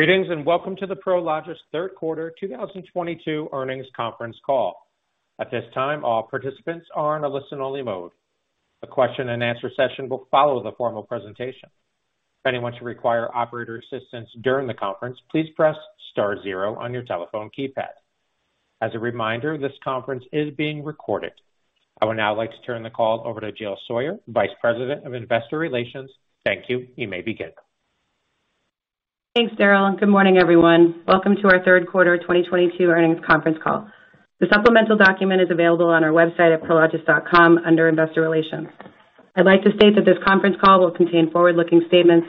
Greetings, and welcome to the Prologis third quarter 2022 earnings conference call. At this time, all participants are in a listen only mode. A question and answer session will follow the formal presentation. If anyone should require operator assistance during the conference, please press star zero on your telephone keypad. As a reminder, this conference is being recorded. I would now like to turn the call over to Jill Sawyer, Vice President of Investor Relations. Thank you. You may begin. Thanks, Daryl, and good morning everyone. Welcome to our third quarter of 2022 earnings conference call. The supplemental document is available on our website at prologis.com under Investor Relations. I'd like to state that this conference call will contain forward-looking statements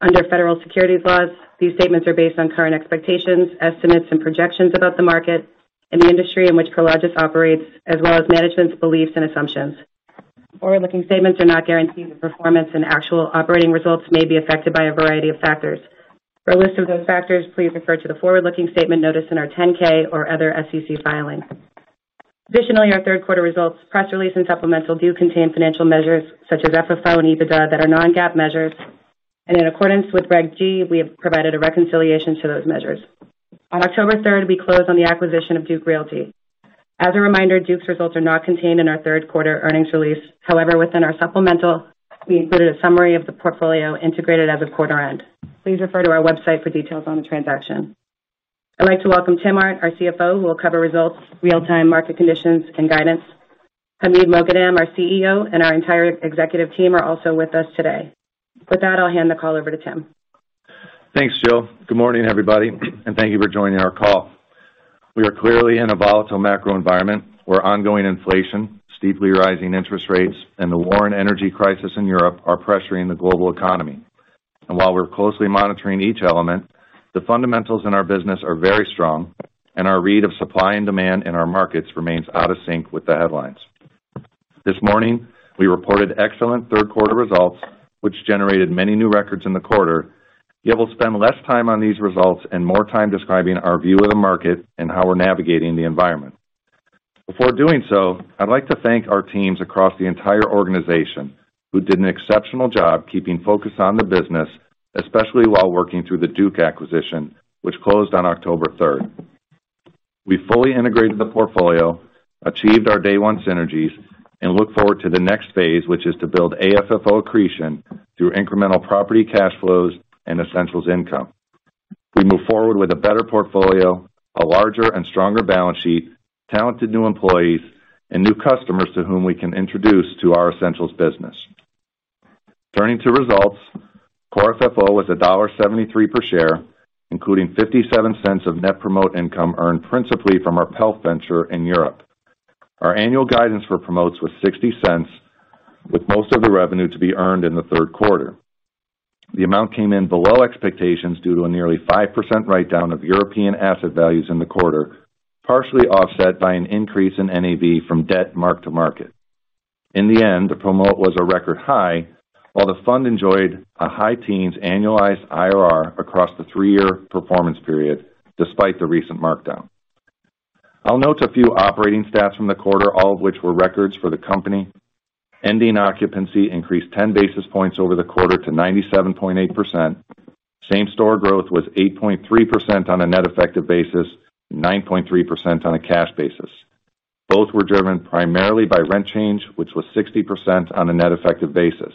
under federal securities laws. These statements are based on current expectations, estimates, and projections about the market and the industry in which Prologis operates, as well as management's beliefs and assumptions. Forward-looking statements are not guarantees of performance, and actual operating results may be affected by a variety of factors. For a list of those factors, please refer to the forward-looking statement notice in our 10-K or other SEC filing. Additionally, our third quarter results, press release, and supplemental do contain financial measures such as FFO and EBITDA that are non-GAAP measures. In accordance with Reg G, we have provided a reconciliation to those measures. On October third, we closed on the acquisition of Duke Realty. As a reminder, Duke's results are not contained in our third quarter earnings release. However, within our supplemental, we included a summary of the portfolio integrated as of quarter end. Please refer to our website for details on the transaction. I'd like to welcome Tim Arndt, our CFO, who will cover results, real-time market conditions, and guidance. Hamid Moghadam, our CEO, and our entire executive team are also with us today. With that, I'll hand the call over to Tim. Thanks, Jill. Good morning, everybody, and thank you for joining our call. We are clearly in a volatile macro environment where ongoing inflation, steeply rising interest rates, and the war and energy crisis in Europe are pressuring the global economy. While we're closely monitoring each element, the fundamentals in our business are very strong, and our read of supply and demand in our markets remains out of sync with the headlines. This morning, we reported excellent third quarter results, which generated many new records in the quarter. Yet we'll spend less time on these results and more time describing our view of the market and how we're navigating the environment. Before doing so, I'd like to thank our teams across the entire organization who did an exceptional job keeping focused on the business, especially while working through the Duke acquisition, which closed on October third. We fully integrated the portfolio, achieved our day one synergies, and look forward to the next phase, which is to build AFFO accretion through incremental property cash flows and Essentials income. We move forward with a better portfolio, a larger and stronger balance sheet, talented new employees, and new customers to whom we can introduce to our Essentials business. Turning to results, Core FFO was $1.73 per share, including $0.57 of net promote income earned principally from our health venture in Europe. Our annual guidance for promotes was $0.60, with most of the revenue to be earned in the third quarter. The amount came in below expectations due to a nearly 5% write-down of European asset values in the quarter, partially offset by an increase in NAV from debt mark-to-market. In the end, the promote was a record high, while the fund enjoyed a high teens annualized IRR across the three-year performance period, despite the recent markdown. I'll note a few operating stats from the quarter, all of which were records for the company. Ending occupancy increased 10 basis points over the quarter to 97.8%. Same store growth was 8.3% on a net effective basis, 9.3% on a cash basis. Both were driven primarily by rent change, which was 60% on a net effective basis.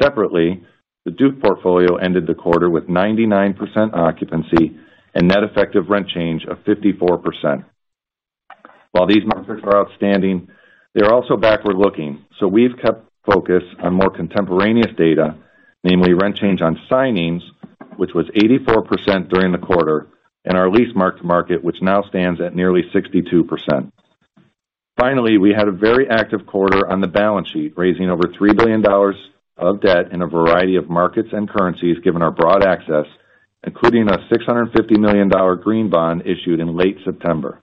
Separately, the Duke portfolio ended the quarter with 99% occupancy and net effective rent change of 54%. While these markers are outstanding, they're also backward-looking, so we've kept focus on more contemporaneous data, namely rent change on signings, which was 84% during the quarter, and our lease mark-to-market, which now stands at nearly 62%. Finally, we had a very active quarter on the balance sheet, raising over $3 billion of debt in a variety of markets and currencies given our broad access, including a $650 million green bond issued in late September.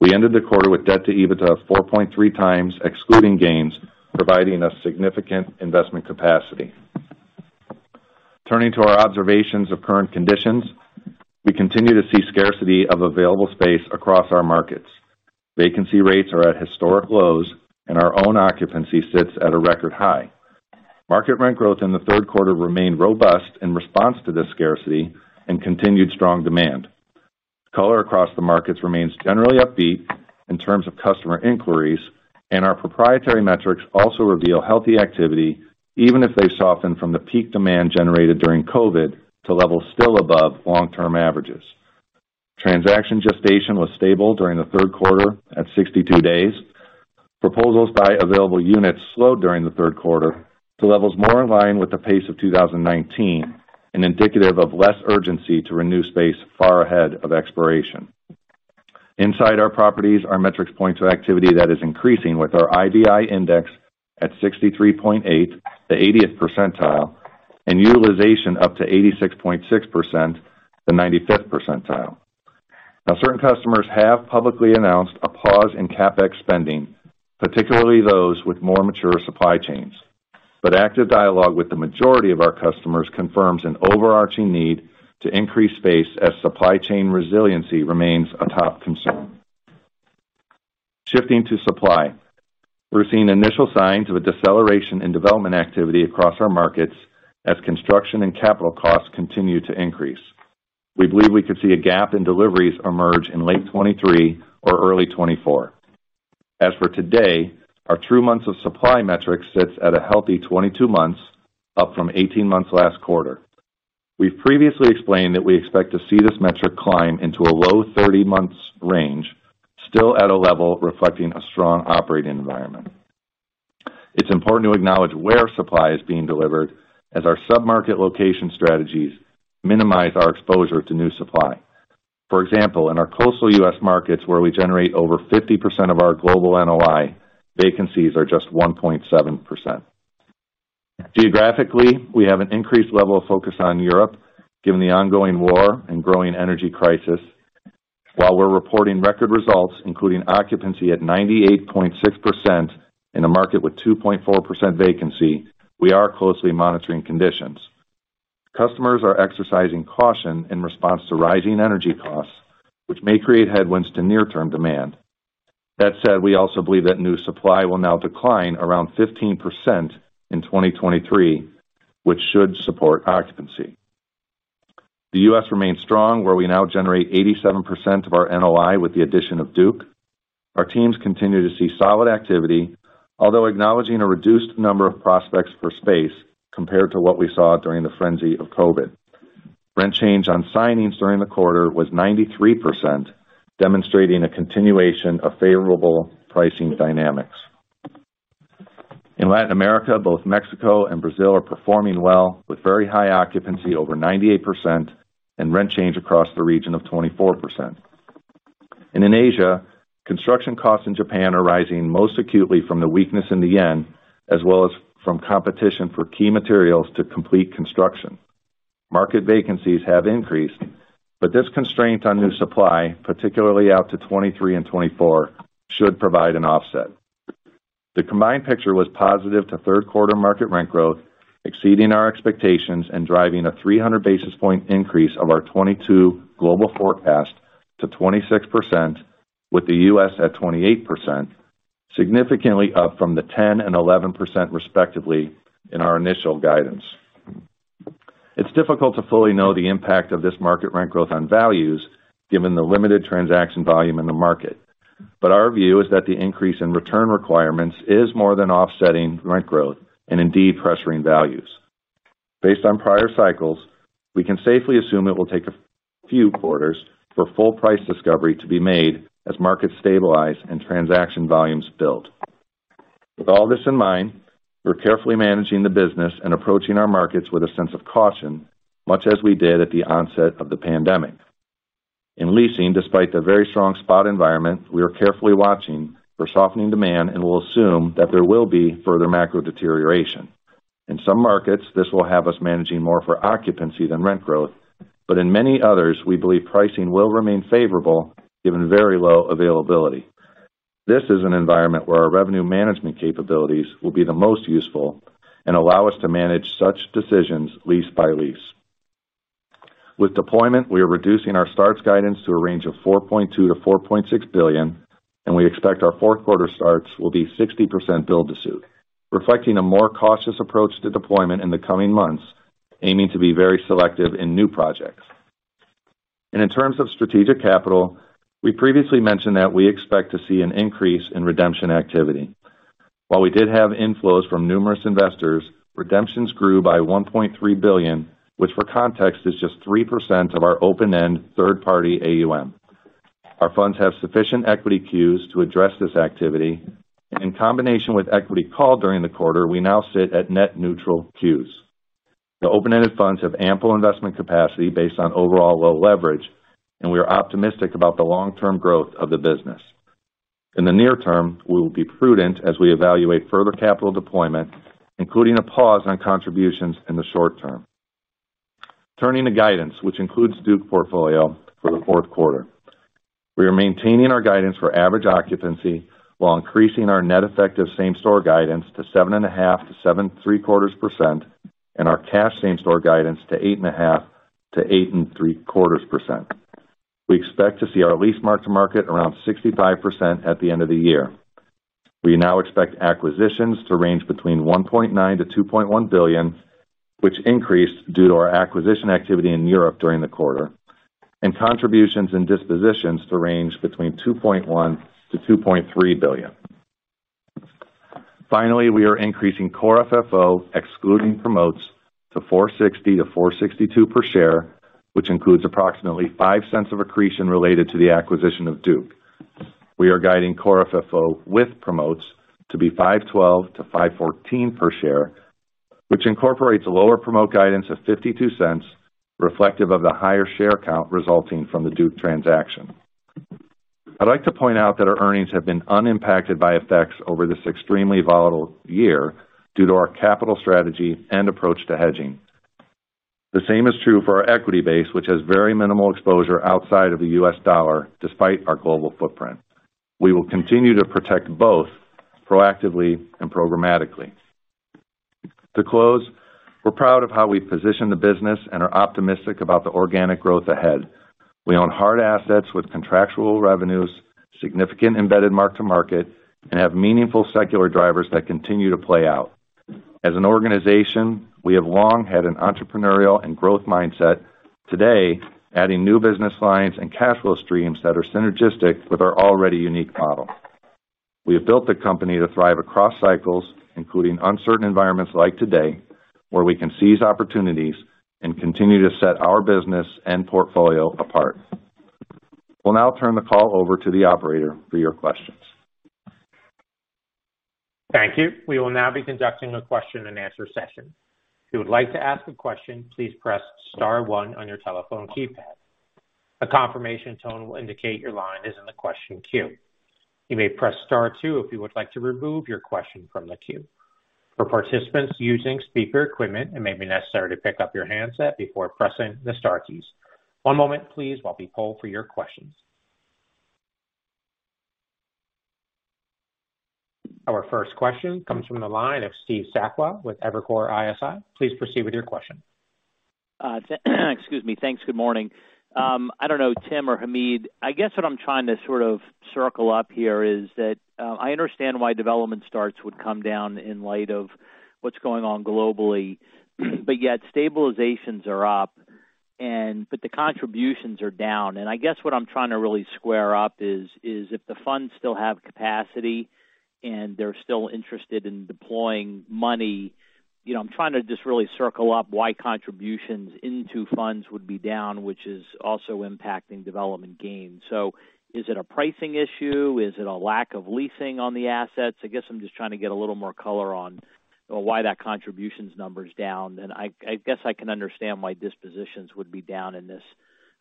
We ended the quarter with debt to EBITDA of 4.3x, excluding gains, providing us significant investment capacity. Turning to our observations of current conditions, we continue to see scarcity of available space across our markets. Vacancy rates are at historic lows, and our own occupancy sits at a record high. Market rent growth in the third quarter remained robust in response to this scarcity and continued strong demand. Color across the markets remains generally upbeat in terms of customer inquiries, and our proprietary metrics also reveal healthy activity, even if they soften from the peak demand generated during COVID to levels still above long-term averages. Transaction gestation was stable during the third quarter at 62 days. Proposals by available units slowed during the third quarter to levels more in line with the pace of 2019 and indicative of less urgency to renew space far ahead of expiration. Inside our properties, our metrics point to activity that is increasing with our IVI index at 63.8, the 80th percentile, and utilization up to 86.6%, the 95th percentile. Now certain customers have publicly announced a pause in CapEx spending, particularly those with more mature supply chains. Active dialogue with the majority of our customers confirms an overarching need to increase space as supply chain resiliency remains a top concern. Shifting to supply. We're seeing initial signs of a deceleration in development activity across our markets as construction and capital costs continue to increase. We believe we could see a gap in deliveries emerge in late 2023 or early 2024. As for today, our True Months of Supply metric sits at a healthy 22 months, up from 18 months last quarter. We've previously explained that we expect to see this metric climb into a low 30 months range, still at a level reflecting a strong operating environment. It's important to acknowledge where supply is being delivered as our sub-market location strategies minimize our exposure to new supply. For example, in our coastal U.S. markets where we generate over 50% of our global NOI, vacancies are just 1.7%. Geographically, we have an increased level of focus on Europe given the ongoing war and growing energy crisis. While we're reporting record results, including occupancy at 98.6% in a market with 2.4% vacancy, we are closely monitoring conditions. Customers are exercising caution in response to rising energy costs, which may create headwinds to near-term demand. That said, we also believe that new supply will now decline around 15% in 2023, which should support occupancy. The U.S. remains strong, where we now generate 87% of our NOI with the addition of Duke. Our teams continue to see solid activity, although acknowledging a reduced number of prospects for space compared to what we saw during the frenzy of COVID. Rent change on signings during the quarter was 93%, demonstrating a continuation of favorable pricing dynamics. In Latin America, both Mexico and Brazil are performing well with very high occupancy over 98% and rent change across the region of 24%. In Asia, construction costs in Japan are rising most acutely from the weakness in the yen as well as from competition for key materials to complete construction. Market vacancies have increased, but this constraint on new supply, particularly out to 2023 and 2024 should provide an offset. The combined picture was positive to third quarter market rent growth, exceeding our expectations and driving a 300 basis point increase of our 2022 global forecast to 26%, with the US at 28%, significantly up from the 10% and 11% respectively in our initial guidance. It's difficult to fully know the impact of this market rent growth on values given the limited transaction volume in the market. Our view is that the increase in return requirements is more than offsetting rent growth and indeed pressuring values. Based on prior cycles, we can safely assume it will take a few quarters for full price discovery to be made as markets stabilize and transaction volumes build. With all this in mind, we're carefully managing the business and approaching our markets with a sense of caution, much as we did at the onset of the pandemic. In leasing, despite the very strong spot environment, we are carefully watching for softening demand and will assume that there will be further macro deterioration. In some markets, this will have us managing more for occupancy than rent growth. In many others, we believe pricing will remain favorable given very low availability. This is an environment where our revenue management capabilities will be the most useful and allow us to manage such decisions lease by lease. With deployment, we are reducing our starts guidance to a range of $4.2 billion-$4.6 billion, and we expect our fourth quarter starts will be 60% build-to-suit, reflecting a more cautious approach to deployment in the coming months, aiming to be very selective in new projects. In terms of strategic capital, we previously mentioned that we expect to see an increase in redemption activity. While we did have inflows from numerous investors, redemptions grew by $1.3 billion, which for context is just 3% of our open-end third-party AUM. Our funds have sufficient equity queues to address this activity. In combination with equity call during the quarter, we now sit at net neutral cues. The open-ended funds have ample investment capacity based on overall low leverage, and we are optimistic about the long-term growth of the business. In the near term, we will be prudent as we evaluate further capital deployment, including a pause on contributions in the short term. Turning to guidance, which includes Duke portfolio for the fourth quarter. We are maintaining our guidance for average occupancy while increasing our net effective same-store guidance to 7.5%-7.75% and our cash same-store guidance to 8.5%-8.75%. We expect to see our lease mark-to-market around 65% at the end of the year. We now expect acquisitions to range between $1.9 billion-$2.1 billion, which increased due to our acquisition activity in Europe during the quarter, and contributions and dispositions to range between $2.1 billion-$2.3 billion. Finally, we are increasing core FFO, excluding promotes to $4.60-$4.62 per share, which includes approximately $0.05 of accretion related to the acquisition of Duke. We are guiding core FFO with promotes to be $5.12-$5.14 per share, which incorporates a lower promote guidance of $0.52 reflective of the higher share count resulting from the Duke transaction. I'd like to point out that our earnings have been unimpacted by effects over this extremely volatile year due to our capital strategy and approach to hedging. The same is true for our equity base, which has very minimal exposure outside of the US dollar despite our global footprint. We will continue to protect both proactively and programmatically. To close, we're proud of how we've positioned the business and are optimistic about the organic growth ahead. We own hard assets with contractual revenues, significant embedded mark-to-market, and have meaningful secular drivers that continue to play out. As an organization, we have long had an entrepreneurial and growth mindset. Today, adding new business lines and cash flow streams that are synergistic with our already unique model. We have built the company to thrive across cycles, including uncertain environments like today, where we can seize opportunities and continue to set our business and portfolio apart. We'll now turn the call over to the operator for your questions. Thank you. We will now be conducting a question-and-answer session. If you would like to ask a question, please press star one on your telephone keypad. A confirmation tone will indicate your line is in the question queue. You may press star two if you would like to remove your question from the queue. For participants using speaker equipment, it may be necessary to pick up your handset before pressing the star keys. One moment please, while we poll for your questions. Our first question comes from the line of Steve Sakwa with Evercore ISI. Please proceed with your question. Excuse me. Thanks. Good morning. I don't know, Tim or Hamid, I guess what I'm trying to sort of circle up here is that, I understand why development starts would come down in light of what's going on globally, but yet stabilizations are up, but the contributions are down. I guess what I'm trying to really square up is if the funds still have capacity and they're still interested in deploying money, you know, I'm trying to just really circle up why contributions into funds would be down, which is also impacting development gains. Is it a pricing issue? Is it a lack of leasing on the assets? I guess I'm just trying to get a little more color on why that contributions number is down. I guess I can understand why dispositions would be down in this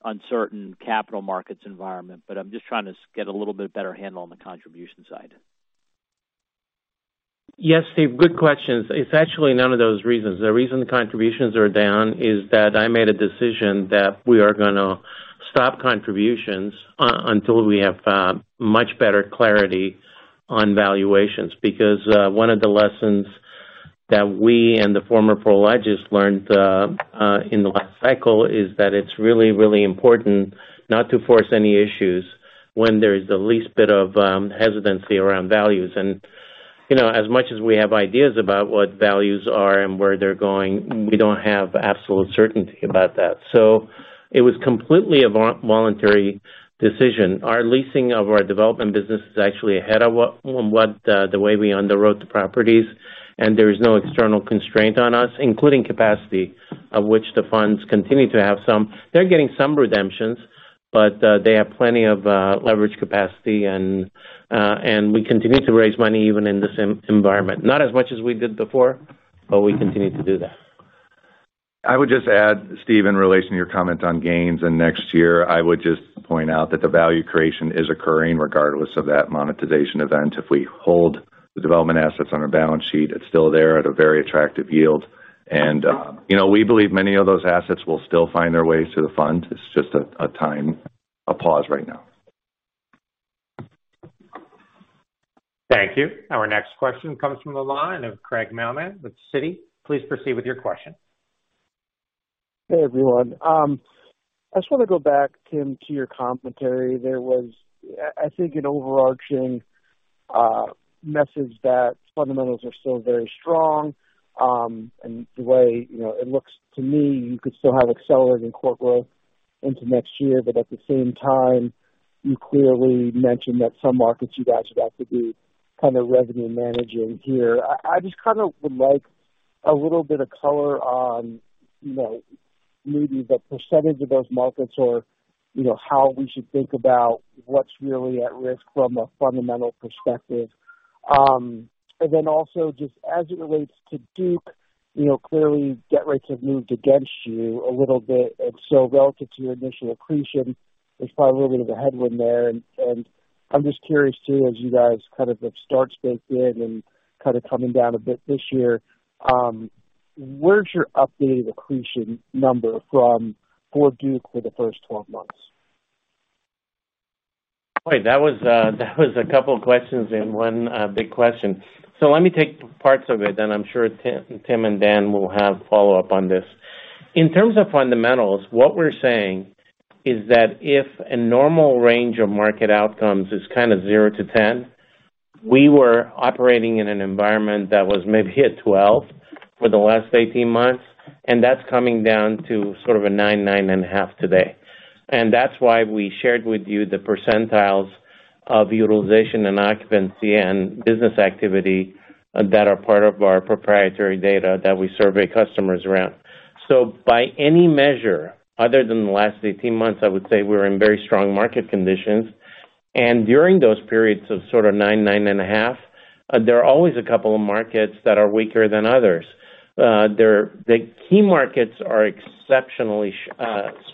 uncertain capital markets environment, but I'm just trying to get a little bit better handle on the contribution side. Yes, Steve, good questions. It's actually none of those reasons. The reason the contributions are down is that I made a decision that we are gonna stop contributions until we have much better clarity on valuations. Because one of the lessons that we and the former Prologis learned in the last cycle is that it's really, really important not to force any issues when there is the least bit of hesitancy around values. You know, as much as we have ideas about what values are and where they're going, we don't have absolute certainty about that. It was completely a voluntary decision. Our leasing of our development business is actually ahead of the way we underwrote the properties, and there is no external constraint on us, including capacity, of which the funds continue to have some. They're getting some redemptions, but they have plenty of leverage capacity and we continue to raise money even in the environment. Not as much as we did before, but we continue to do that. I would just add, Steve, in relation to your comment on gains and next year, I would just point out that the value creation is occurring regardless of that monetization event. If we hold the development assets on our balance sheet, it's still there at a very attractive yield. You know, we believe many of those assets will still find their way to the fund. It's just a time, a pause right now. Thank you. Our next question comes from the line of Craig Mailman with Citi. Please proceed with your question. Hey, everyone. I just wanna go back, Tim, to your commentary. There was, I think, an overarching message that fundamentals are still very strong, and the way, you know, it looks to me, you could still have accelerating core growth into next year. But at the same time, you clearly mentioned that some markets you guys would have to be kind of revenue managing here. I just kinda would like a little bit of color on, you know, maybe the percentage of those markets or, you know, how we should think about what's really at risk from a fundamental perspective. Then also just as it relates to Duke, you know, clearly debt rates have moved against you a little bit. So relative to your initial accretion, there's probably a little bit of a headwind there. I'm just curious too, as you guys kind of have starts baked in and kind of coming down a bit this year, where's your updated accretion number for Duke for the first 12 months? Boy, that was a couple questions in one, big question. Let me take parts of it, then I'm sure Tim and Dan will have follow-up on this. In terms of fundamentals, what we're saying is that if a normal range of market outcomes is kind of 0-10, we were operating in an environment that was maybe 12 for the last 18 months, and that's coming down to sort of 9.5 today. That's why we shared with you the percentiles of utilization and occupancy and business activity that are part of our proprietary data that we survey customers around. By any measure other than the last 18 months, I would say we're in very strong market conditions. During those periods of sort of 9.5, there are always a couple of markets that are weaker than others. The key markets are exceptionally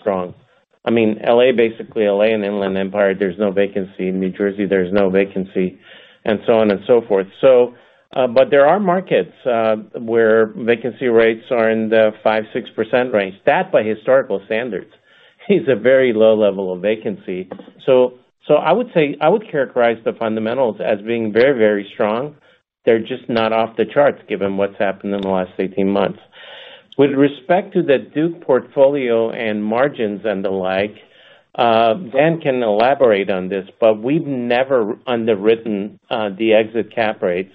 strong. I mean, L.A., basically L.A. and Inland Empire, there's no vacancy. In New Jersey, there's no vacancy, and so on and so forth. There are markets where vacancy rates are in the 5%-6% range. That, by historical standards, is a very low level of vacancy. I would characterize the fundamentals as being very, very strong. They're just not off the charts given what's happened in the last 18 months. With respect to the Duke portfolio and margins and the like, Dan can elaborate on this, but we've never underwritten the exit cap rates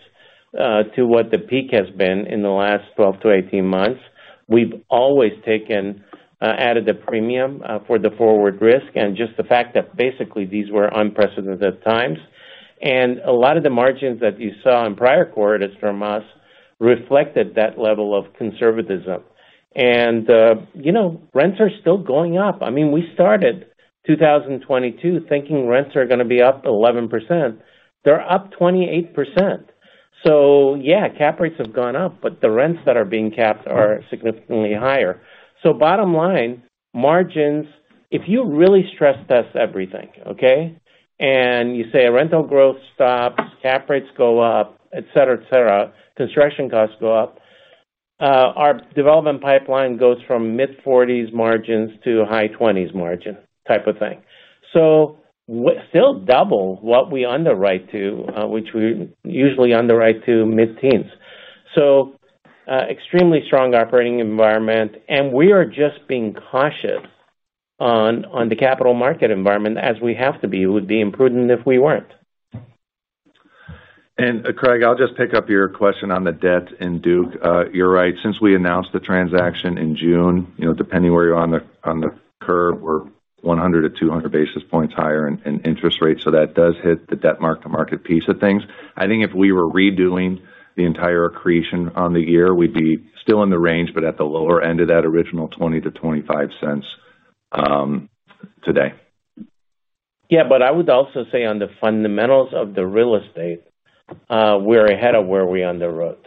to what the peak has been in the last 12-18 months. We've always taken added a premium for the forward risk and just the fact that basically these were unprecedented times. You know, rents are still going up. I mean, we started 2022 thinking rents are gonna be up 11%. They're up 28%. Yeah, cap rates have gone up, but the rents that are being capped are significantly higher. Bottom line, margins, if you really stress test everything, okay, and you say a rental growth stops, cap rates go up, et cetera, et cetera, construction costs go up, our development pipeline goes from mid-40s% margins to high 20s% margin type of thing. Still double what we underwrite to, which we usually underwrite to mid-teens%. Extremely strong operating environment, and we are just being cautious on the capital market environment as we have to be. It would be imprudent if we weren't. Craig, I'll just pick up your question on the debt in Duke. You're right. Since we announced the transaction in June, you know, depending where you are on the curve, we're 100-200 basis points higher in interest rates, so that does hit the debt mark-to-market piece of things. I think if we were redoing the entire accretion on the year, we'd be still in the range, but at the lower end of that original $0.20-$0.25 today. Yeah, I would also say on the fundamentals of the real estate, we're ahead of where we underwrote.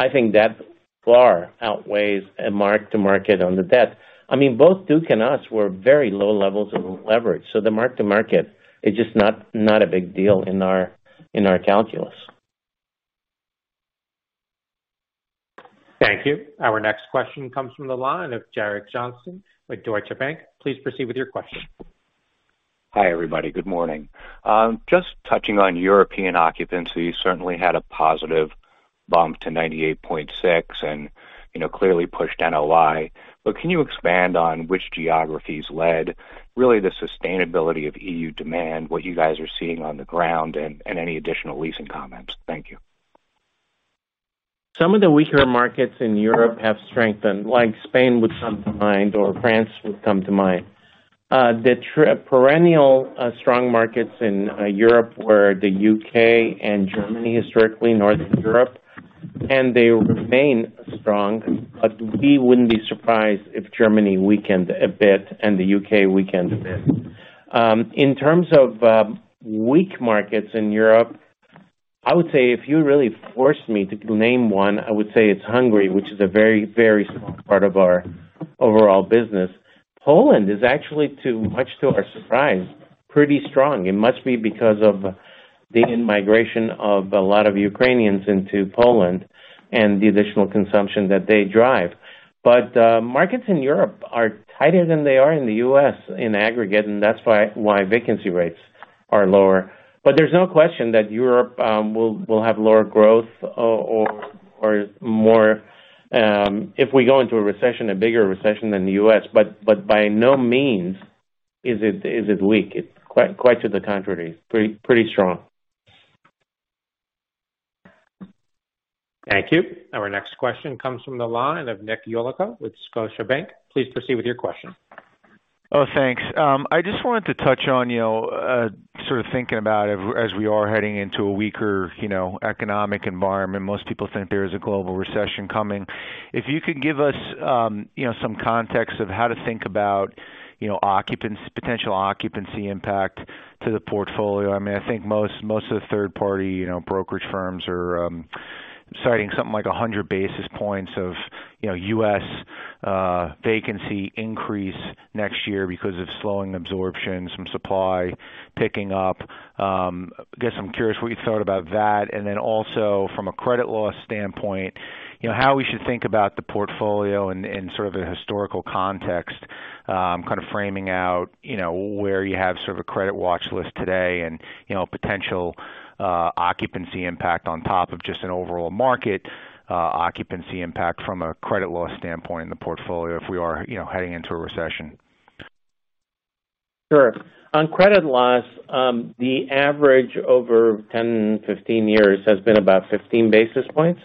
I think that far outweighs a mark-to-market on the debt. I mean, both Duke and us were very low levels of leverage, so the mark-to-market is just not a big deal in our calculus. Thank you. Our next question comes from the line of Jared Johnson with Deutsche Bank. Please proceed with your question. Hi, everybody. Good morning. Just touching on European occupancy, you certainly had a positive bump to 98.6% and, you know, clearly pushed NOI. But can you expand on which geographies led really the sustainability of EU demand, what you guys are seeing on the ground, and any additional leasing comments? Thank you. Some of the weaker markets in Europe have strengthened, like Spain would come to mind or France would come to mind. The perennial strong markets in Europe were the UK and Germany, historically Northern Europe, and they remain strong. We wouldn't be surprised if Germany weakened a bit and the UK weakened a bit. In terms of weak markets in Europe, I would say if you really forced me to name one, I would say it's Hungary, which is a very, very small part of our overall business. Poland is actually, much to our surprise, pretty strong. It must be because of the immigration of a lot of Ukrainians into Poland and the additional consumption that they drive. Markets in Europe are tighter than they are in the US in aggregate, and that's why vacancy rates are lower. There's no question that Europe will have lower growth or more if we go into a recession, a bigger recession than the US. By no means is it weak. It's quite to the contrary. Pretty strong. Thank you. Our next question comes from the line of Nick Yulico with Scotiabank. Please proceed with your question. Oh, thanks. I just wanted to touch on, you know, sort of thinking about it as we are heading into a weaker, you know, economic environment. Most people think there is a global recession coming. If you could give us, you know, some context of how to think about, you know, occupancy potential occupancy impact to the portfolio. I mean, I think most of the third party, you know, brokerage firms are citing something like 100 basis points of, you know, U.S., vacancy increase next year because of slowing absorption, some supply picking up. Guess I'm curious what you thought about that. Then also from a credit loss standpoint, you know, how we should think about the portfolio in sort of a historical context, kind of framing out, you know, where you have sort of a credit watch list today and, you know, potential occupancy impact on top of just an overall market occupancy impact from a credit loss standpoint in the portfolio if we are, you know, heading into a recession. Sure. On credit loss, the average over 10 years-15 years has been about 15 basis points.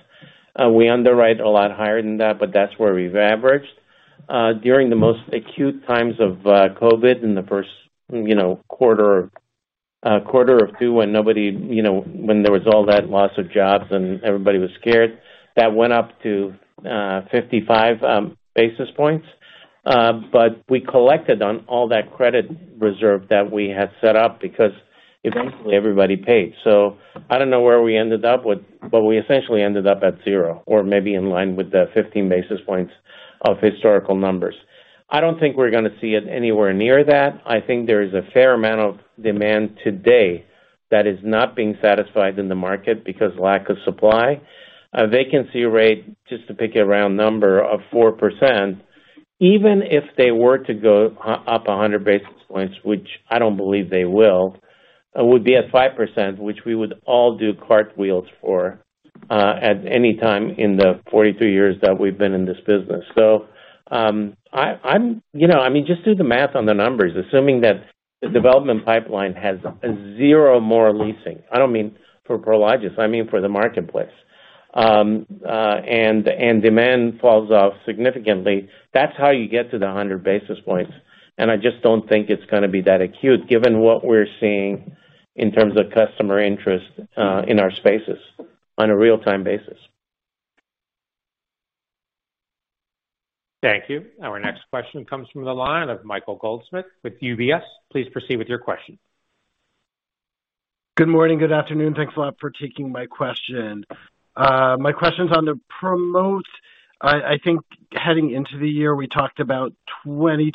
We underwrite a lot higher than that, but that's where we've averaged. During the most acute times of COVID in the first, you know, quarter or two when nobody, you know, when there was all that loss of jobs and everybody was scared, that went up to 55 basis points. We collected on all that credit reserve that we had set up because eventually everybody paid. I don't know where we ended up with, but we essentially ended up at zero or maybe in line with the 15 basis points of historical numbers. I don't think we're gonna see it anywhere near that. I think there is a fair amount of demand today that is not being satisfied in the market because lack of supply. A vacancy rate, just to pick a round number, of 4%, even if they were to go up 100 basis points, which I don't believe they will, would be at 5%, which we would all do cartwheels for, at any time in the 42 years that we've been in this business. I'm, you know, I mean, just do the math on the numbers. Assuming that the development pipeline has zero more leasing, I don't mean for Prologis, I mean for the marketplace. And demand falls off significantly. That's how you get to the 100 basis points. I just don't think it's gonna be that acute given what we're seeing in terms of customer interest, in our spaces on a real-time basis. Thank you. Our next question comes from the line of Michael Goldsmith with UBS. Please proceed with your question. Good morning, good afternoon. Thanks a lot for taking my question. My question is on the promote. I think heading into the year, we talked about the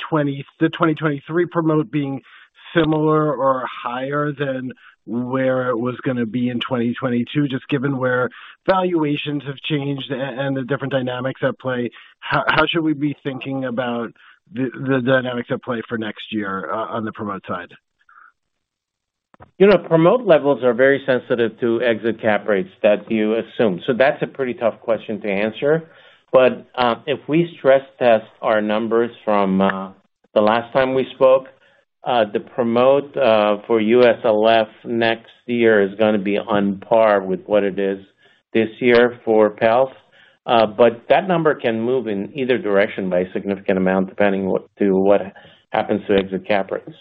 2023 promote being similar or higher than where it was gonna be in 2022, just given where valuations have changed and the different dynamics at play. How should we be thinking about the dynamics at play for next year on the promote side? You know, promote levels are very sensitive to exit cap rates that you assume. That's a pretty tough question to answer. If we stress test our numbers from the last time we spoke, the promote for USLF next year is gonna be on par with what it is this year for PELF. That number can move in either direction by a significant amount, depending to what happens to exit cap rates.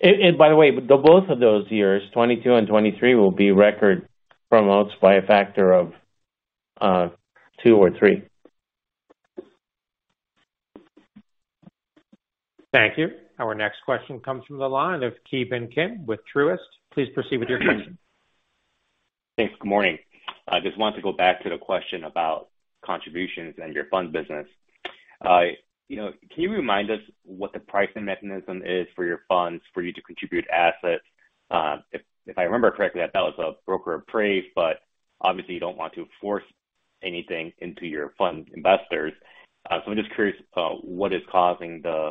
And by the way, both of those years, 2022 and 2023, will be record promotes by a factor of two or three. Thank you. Our next question comes from the line of Ki Bin Kim with Truist. Please proceed with your question. Thanks. Good morning. I just wanted to go back to the question about contributions and your fund business. You know, can you remind us what the pricing mechanism is for your funds for you to contribute assets? If I remember correctly, I thought it was a broker appraisal, but obviously you don't want to force anything on your fund investors. So I'm just curious what is causing the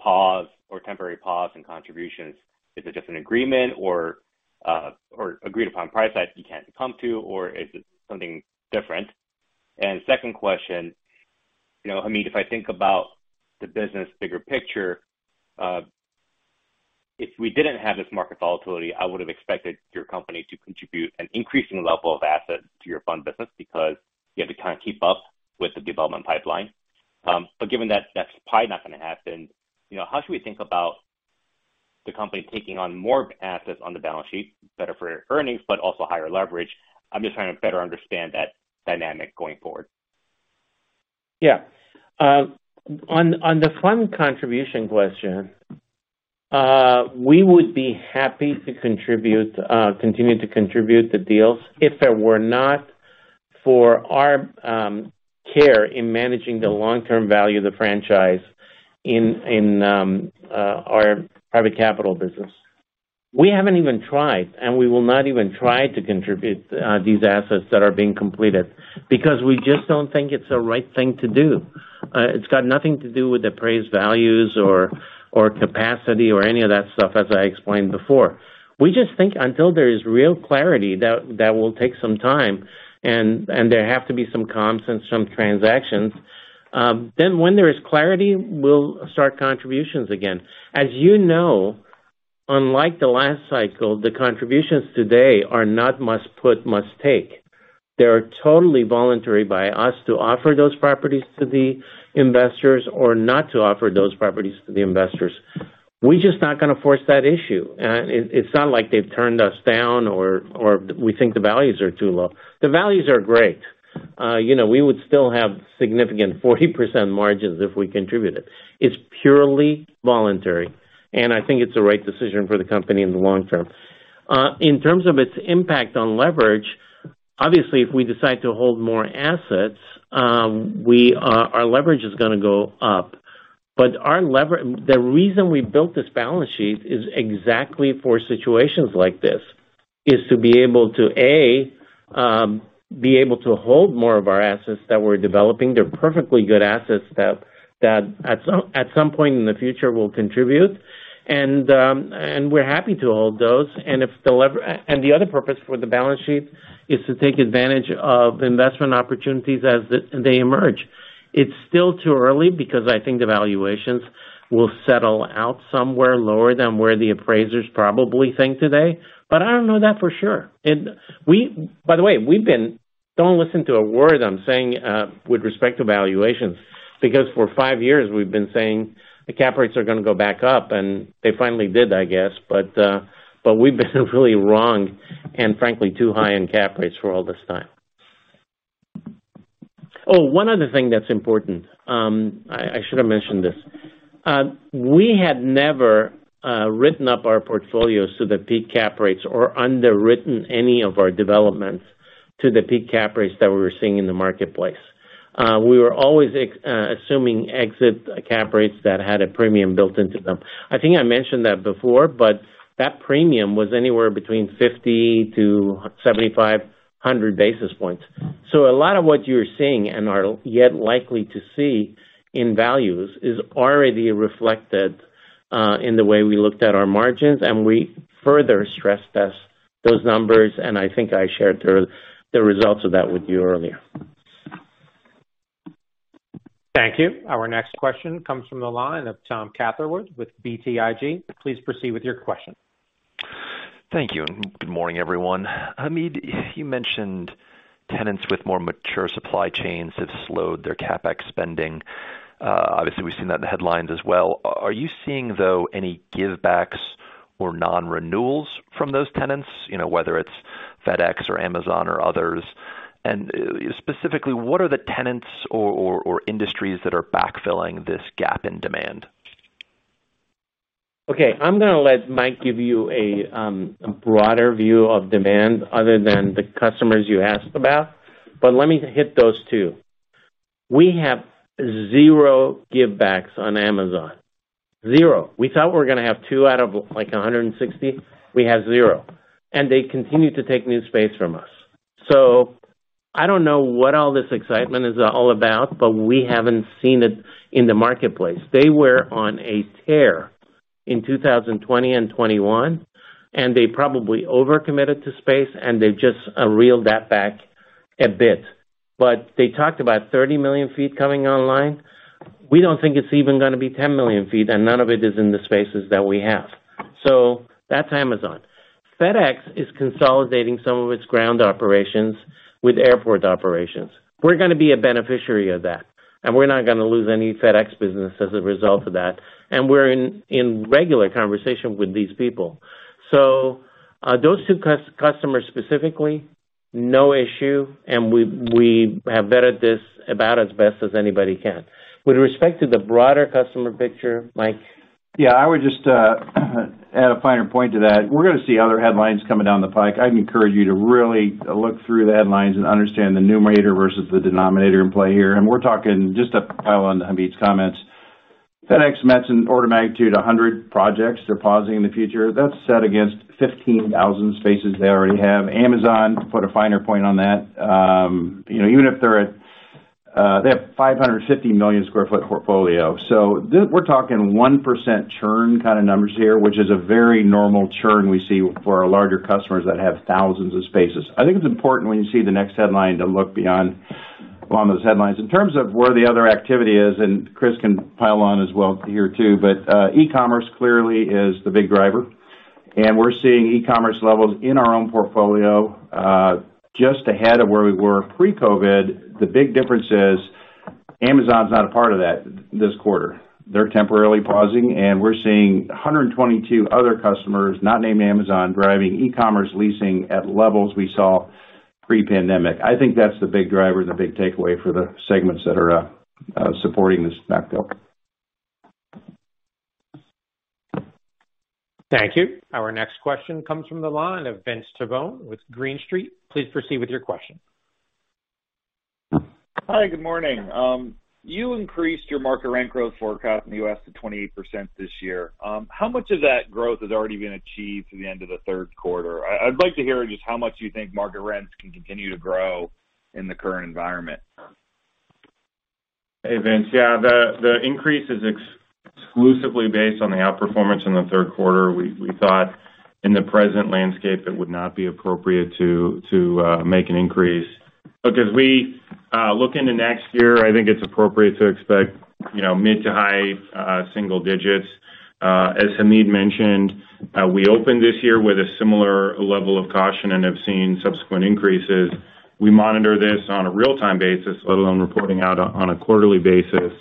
pause or temporary pause in contributions. Is it just a disagreement or agreed-upon price that you can't come to, or is it something different? Second question. You know, Hamid, if I think about the business bigger picture, if we didn't have this market volatility, I would have expected your company to contribute an increasing level of assets to your fund business because you have to kind of keep up with the development pipeline. Given that that's probably not gonna happen, you know, how should we think about the company taking on more assets on the balance sheet, better for earnings, but also higher leverage? I'm just trying to better understand that dynamic going forward. Yeah. On the fund contribution question, we would be happy to continue to contribute the deals if it were not for our care in managing the long-term value of the franchise in our private capital business. We haven't even tried, and we will not even try to contribute these assets that are being completed because we just don't think it's the right thing to do. It's got nothing to do with appraised values or capacity or any of that stuff, as I explained before. We just think until there is real clarity, that will take some time and there have to be some comps and some transactions. Then when there is clarity, we'll start contributions again. As you know, unlike the last cycle, the contributions today are not must put, must take. They are totally voluntary by us to offer those properties to the investors or not to offer those properties to the investors. We're just not gonna force that issue. It's not like they've turned us down or we think the values are too low. The values are great. You know, we would still have significant 40% margins if we contributed. It's purely voluntary, and I think it's the right decision for the company in the long term. In terms of its impact on leverage, obviously, if we decide to hold more assets, our leverage is gonna go up. The reason we built this balance sheet is exactly for situations like this. It is to be able to hold more of our assets that we're developing. They're perfectly good assets that at some point in the future will contribute. We're happy to hold those. The other purpose for the balance sheet is to take advantage of investment opportunities as they emerge. It's still too early because I think the valuations will settle out somewhere lower than where the appraisers probably think today, but I don't know that for sure. By the way, don't listen to a word I'm saying with respect to valuations, because for five years, we've been saying the cap rates are gonna go back up, and they finally did, I guess. We've been really wrong and frankly, too high in cap rates for all this time. Oh, one other thing that's important. I should have mentioned this. We have never written up our portfolios to the peak cap rates or underwritten any of our developments to the peak cap rates that we're seeing in the marketplace. We were always assuming exit cap rates that had a premium built into them. I think I mentioned that before, but that premium was anywhere between 50-75, 100 basis points. A lot of what you're seeing, and are yet likely to see in values, is already reflected in the way we looked at our margins, and we further stress test those numbers, and I think I shared the results of that with you earlier. Thank you. Our next question comes from the line of Thomas Catherwood with BTIG. Please proceed with your question. Thank you, and good morning, everyone. Hamid, you mentioned tenants with more mature supply chains have slowed their CapEx spending. Obviously we've seen that in the headlines as well. Are you seeing, though, any give backs or non-renewals from those tenants? You know, whether it's FedEx or Amazon or others. Specifically, what are the tenants or industries that are backfilling this gap in demand? Okay, I'm gonna let Mike give you a broader view of demand other than the customers you asked about, but let me hit those too. We have 0 give backs on Amazon. 0. We thought we were gonna have 2 out of, like, 160. We have 0. They continue to take new space from us. I don't know what all this excitement is all about, but we haven't seen it in the marketplace. They were on a tear in 2020 and 2021, and they probably overcommitted to space, and they've just reeled that back a bit. They talked about 30 million sq ft coming online. We don't think it's even gonna be 10 million sq ft, and none of it is in the spaces that we have. That's Amazon. FedEx is consolidating some of its ground operations with airport operations. We're gonna be a beneficiary of that, and we're not gonna lose any FedEx business as a result of that. We're in regular conversation with these people. Those two customers specifically, no issue, and we have vetted this about as best as anybody can. With respect to the broader customer picture, Mike? Yeah, I would just add a finer point to that. We're gonna see other headlines coming down the pike. I'd encourage you to really look through the headlines and understand the numerator versus the denominator in play here. We're talking just to pile on Hamid's comments. FedEx mentioned order of magnitude 100 projects they're pausing in the future. That's set against 15,000 spaces they already have. Amazon, to put a finer point on that, you know, even if they're at, they have 550 million sq ft portfolio. We're talking 1% churn kind of numbers here, which is a very normal churn we see for our larger customers that have thousands of spaces. I think it's important when you see the next headline to look beyond, well, on those headlines. In terms of where the other activity is, and Chris can pile on as well here too, but e-commerce clearly is the big driver. We're seeing e-commerce levels in our own portfolio just ahead of where we were pre-COVID. The big difference is Amazon's not a part of that this quarter. They're temporarily pausing, and we're seeing 122 other customers, not named Amazon, driving e-commerce leasing at levels we saw pre-pandemic. I think that's the big driver and the big takeaway for the segments that are supporting this backdrop. Thank you. Our next question comes from the line of Vince Tibone with Green Street. Please proceed with your question. Hi, good morning. You increased your market rent growth forecast in the U.S. to 28% this year. How much of that growth has already been achieved through the end of the third quarter? I'd like to hear just how much you think market rents can continue to grow in the current environment. Hey, Vince. Yeah, the increase is exclusively based on the outperformance in the third quarter. We thought in the present landscape it would not be appropriate to make an increase. Look, as we look into next year, I think it's appropriate to expect, you know, mid to high-single-digits. As Hamid mentioned, we opened this year with a similar level of caution and have seen subsequent increases. We monitor this on a real-time basis, let alone reporting out on a quarterly basis.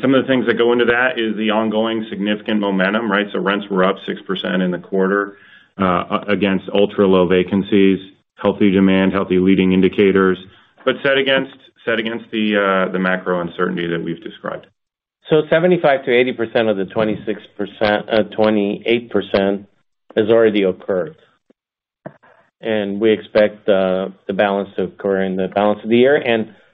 Some of the things that go into that is the ongoing significant momentum, right? Rents were up 6% in the quarter against ultra-low vacancies, healthy demand, healthy leading indicators, but set against the macro uncertainty that we've described. 75%-80% of the 26%-28% has already occurred. We expect the balance to occur in the balance of the year.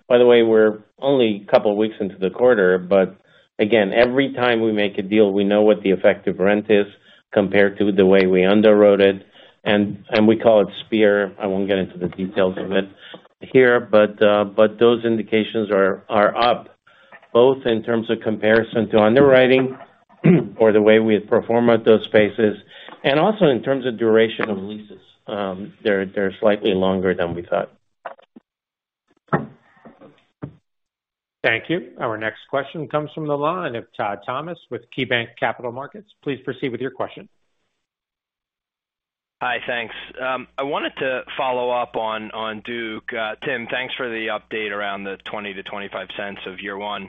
By the way, we're only a couple of weeks into the quarter, but again, every time we make a deal, we know what the effective rent is compared to the way we underwrote it, and we call it SPEAR. I won't get into the details of it here, but those indications are up, both in terms of comparison to underwriting or the way we perform at those spaces, and also in terms of duration of leases. They're slightly longer than we thought. Thank you. Our next question comes from the line of Todd Thomas with KeyBanc Capital Markets. Please proceed with your question. Hi, thanks. I wanted to follow up on Duke. Tim, thanks for the update around the $0.20-$0.25 of year one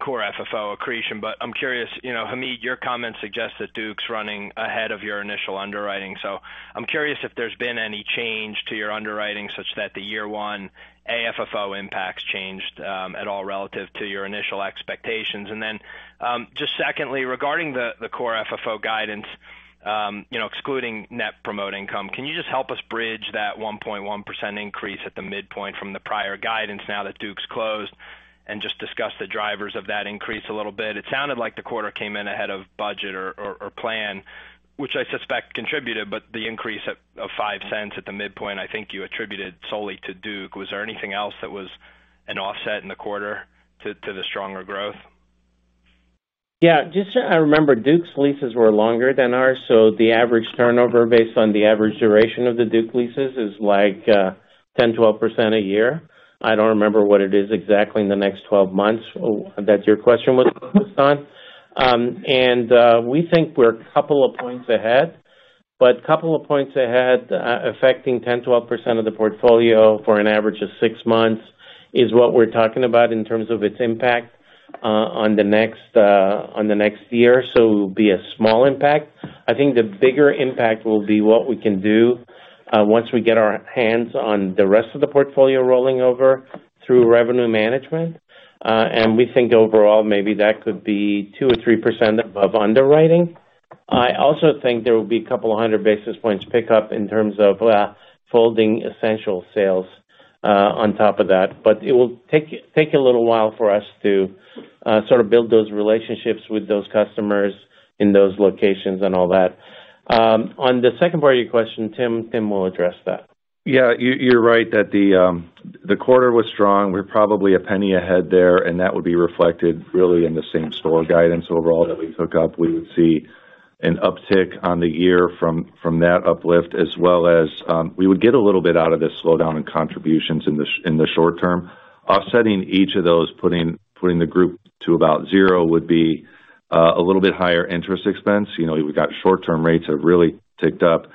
core FFO accretion. I'm curious, you know, Hamid, your comments suggest that Duke's running ahead of your initial underwriting. I'm curious if there's been any change to your underwriting such that the year one AFFO impacts changed at all relative to your initial expectations. Then, just secondly, regarding the core FFO guidance, you know, excluding net promote income, can you just help us bridge that 1.1% increase at the midpoint from the prior guidance now that Duke's closed? Just discuss the drivers of that increase a little bit. It sounded like the quarter came in ahead of budget or plan, which I suspect contributed, but the increase of $0.05 at the midpoint, I think you attributed solely to Duke. Was there anything else that was an offset in the quarter to the stronger growth? Yeah. Just so I remember, Duke's leases were longer than ours, so the average turnover based on the average duration of the Duke leases is like 10%-12% a year. I don't remember what it is exactly in the next 12 months. That's your question was focused on. We think we're a couple of points ahead, but a couple of points ahead affecting 10%-12% of the portfolio for an average of 6 months is what we're talking about in terms of its impact on the next year. It will be a small impact. I think the bigger impact will be what we can do once we get our hands on the rest of the portfolio rolling over through revenue management. We think overall maybe that could be 2%-3% of underwriting. I also think there will be 200 basis points pick-up in terms of Prologis Essentials sales on top of that. It will take a little while for us to sort of build those relationships with those customers in those locations and all that. On the second part of your question, Tim will address that. Yeah, you're right that the quarter was strong. We're probably $0.01 ahead there, and that would be reflected really in the same-store guidance overall that we took up. We would see an uptick on the year from that uplift as well as we would get a little bit out of this slowdown in contributions in the short term. Offsetting each of those, putting the group to about zero would be a little bit higher interest expense. You know, we got short-term rates have really ticked up.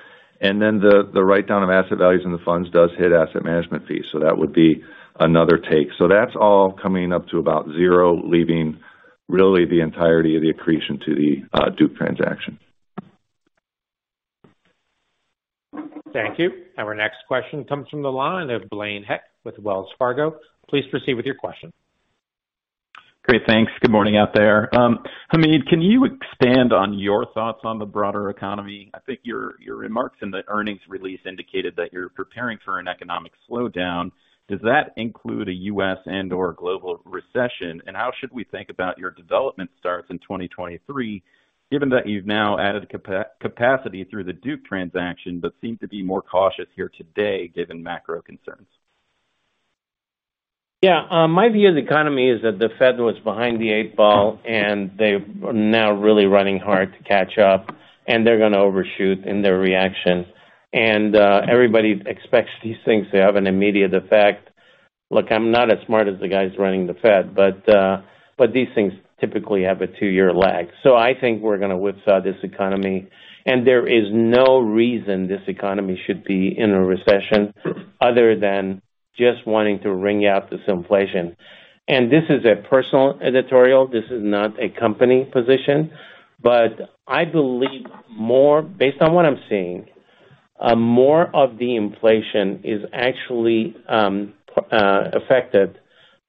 The write down of asset values in the funds does hit asset management fees. That would be another take. That's all coming up to about zero, leaving really the entirety of the accretion to the Duke transaction. Thank you. Our next question comes from the line of Blaine Heck with Wells Fargo. Please proceed with your question. Great. Thanks. Good morning out there. Hamid, can you expand on your thoughts on the broader economy? I think your remarks in the earnings release indicated that you're preparing for an economic slowdown. Does that include a U.S. and/or global recession? How should we think about your development starts in 2023, given that you've now added capacity through the Duke transaction, but seem to be more cautious here today given macro concerns? Yeah. My view of the economy is that the Fed was behind the eight ball, and they are now really running hard to catch up, and they're gonna overshoot in their reaction. Everybody expects these things to have an immediate effect. Look, I'm not as smart as the guys running the Fed, but these things typically have a two-year lag. I think we're gonna whipsaw this economy, and there is no reason this economy should be in a recession other than just wanting to wring out this inflation. This is a personal editorial. This is not a company position, but I believe more. Based on what I'm seeing, more of the inflation is actually affected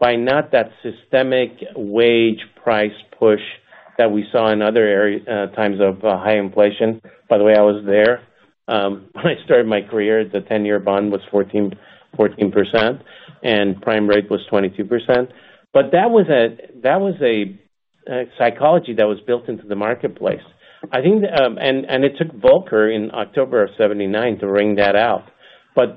by not that systemic wage price push that we saw in other times of high inflation. By the way, I was there when I started my career, the ten-year bond was 14% and prime rate was 22%. That was a psychology that was built into the marketplace. I think it took Volcker in October of 1979 to wring that out.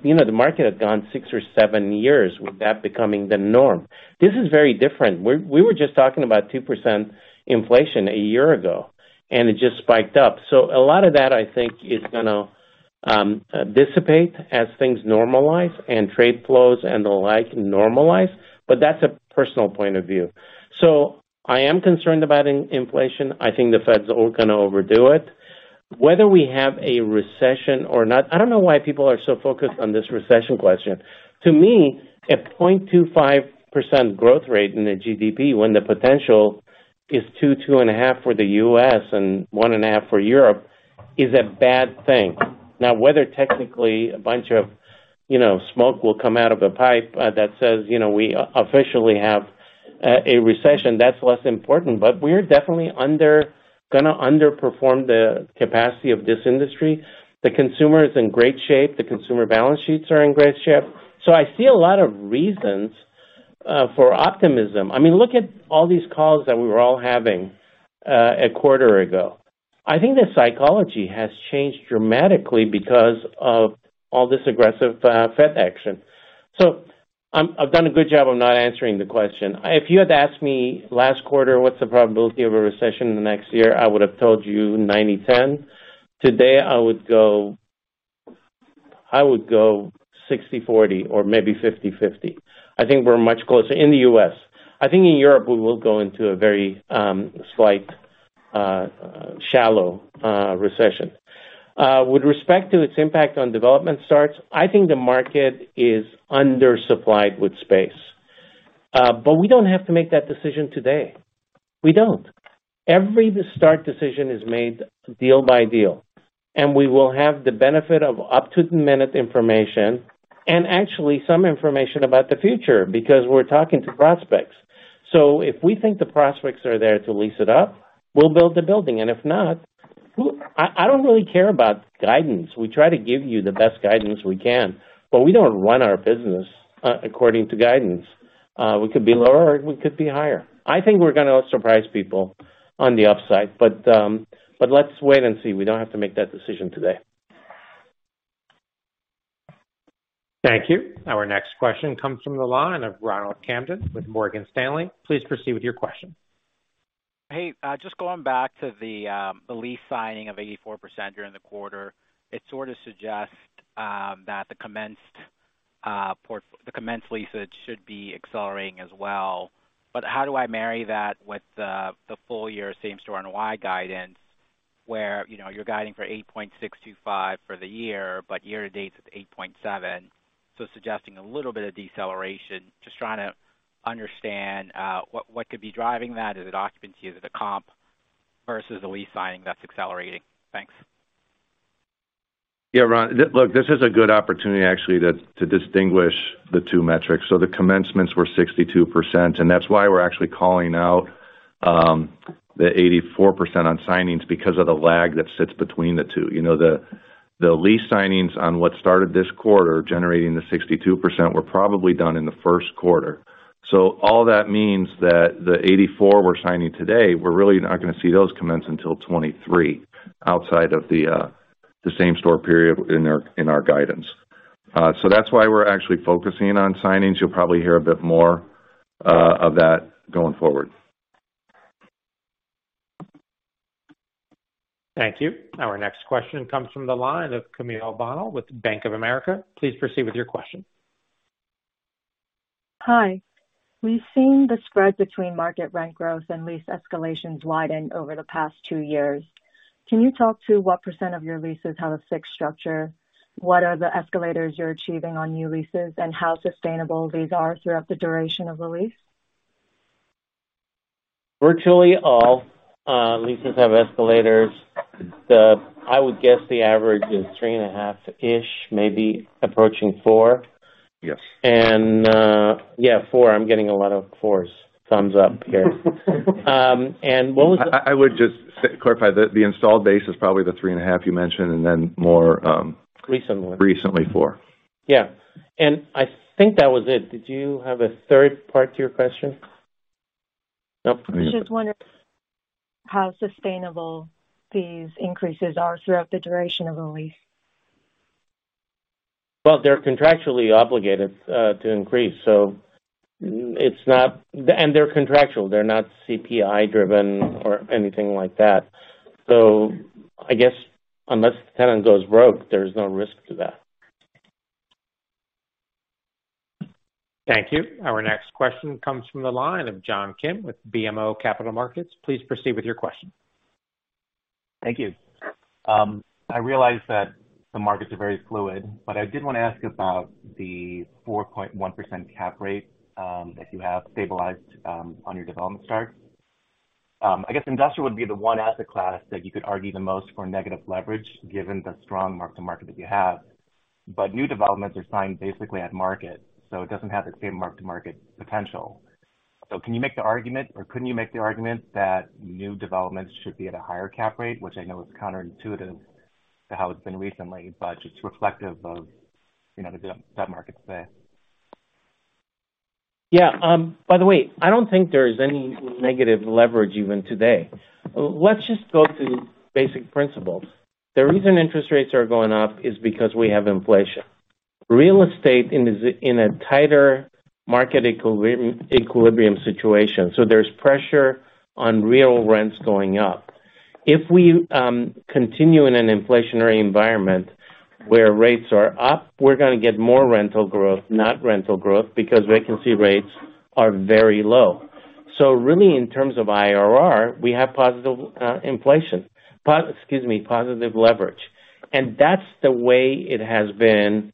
You know, the market had gone six or seven years with that becoming the norm. This is very different. We were just talking about 2% inflation a year ago, and it just spiked up. A lot of that, I think, is gonna dissipate as things normalize and trade flows and the like normalize, but that's a personal point of view. I am concerned about inflation. I think the Fed's gonna overdo it. Whether we have a recession or not, I don't know why people are so focused on this recession question. To me, a 0.25% growth rate in the GDP when the potential is 2.5 for the U.S. and 1.5 for Europe is a bad thing. Now, whether technically a bunch of, you know, smoke will come out of a pipe that says, you know, we officially have a recession, that's less important. We're definitely gonna underperform the capacity of this industry. The consumer is in great shape. The consumer balance sheets are in great shape. I see a lot of reasons for optimism. I mean, look at all these calls that we were all having a quarter ago. I think the psychology has changed dramatically because of all this aggressive Fed action. I've done a good job of not answering the question. If you had asked me last quarter what's the probability of a recession in the next year, I would have told you 90/10. Today, I would go 60/40 or maybe 50/50. I think we're much closer in the US. I think in Europe, we will go into a very slight shallow recession. With respect to its impact on development starts, I think the market is undersupplied with space. But we don't have to make that decision today. We don't. Every start decision is made deal by deal, and we will have the benefit of up-to-the-minute information and actually some information about the future because we're talking to prospects. If we think the prospects are there to lease it up, we'll build the building. If not, who I don't really care about guidance. We try to give you the best guidance we can, but we don't run our business according to guidance. We could be lower or we could be higher. I think we're gonna surprise people on the upside, but let's wait and see. We don't have to make that decision today. Thank you. Our next question comes from the line of Ronald Kamdem with Morgan Stanley. Please proceed with your question. Hey, just going back to the lease signing of 84% during the quarter. It sort of suggests that the commenced leases should be accelerating as well. How do I marry that with the full-year same-store NOI guidance, where, you know, you're guiding for 8.625 for the year, but year to date it's 8.7, so suggesting a little bit of deceleration. Just trying to understand what could be driving that. Is it occupancy? Is it the comp versus the lease signing that's accelerating? Thanks. Yeah, Ron. Look, this is a good opportunity actually to distinguish the two metrics. The commencements were 62%, and that's why we're actually calling out the 84% on signings because of the lag that sits between the two. You know, the lease signings on what started this quarter, generating the 62%, were probably done in the first quarter. All that means that the 84% we're signing today, we're really not gonna see those commence until 2023 outside of the same store period in our guidance. That's why we're actually focusing on signings. You'll probably hear a bit more of that going forward. Thank you. Our next question comes from the line of Camille Bonnel with Bank of America. Please proceed with your question. Hi. We've seen the spread between market rent growth and lease escalations widen over the past two years. Can you talk to what % of your leases have a fixed structure? What are the escalators you're achieving on new leases, and how sustainable these are throughout the duration of the lease? Virtually all leases have escalators. I would guess the average is 3.5-ish, maybe approaching four. Yes. Four. I'm getting a lot of fours. Thumbs up here. What was the? I would just clarify that the installed base is probably the 3.5 you mentioned, and then more. Recently. Recently four. Yeah. I think that was it. Did you have a third part to your question? Nope. Just wondering how sustainable these increases are throughout the duration of the lease? Well, they're contractually obligated to increase, so it's not. They're contractual, they're not CPI driven or anything like that. I guess unless the tenant goes broke, there's no risk to that. Thank you. Our next question comes from the line of John Kim with BMO Capital Markets. Please proceed with your question. Thank you. I realize that the markets are very fluid, but I did wanna ask about the 4.1% cap rate that you have stabilized on your development start. I guess industrial would be the one asset class that you could argue the most for negative leverage, given the strong mark-to-market that you have. But new developments are signed basically at market, so it doesn't have the same mark-to-market potential. Can you make the argument, or couldn't you make the argument that new developments should be at a higher cap rate, which I know is counterintuitive to how it's been recently, but just reflective of, you know, the government market today? Yeah. By the way, I don't think there is any negative leverage even today. Let's just go to basic principles. The reason interest rates are going up is because we have inflation. Real estate is in a tighter market equilibrium situation, so there's pressure on real rents going up. If we continue in an inflationary environment where rates are up, we're gonna get more rental growth, because vacancy rates are very low. So really, in terms of IRR, we have positive inflation. Excuse me, positive leverage. That's the way it has been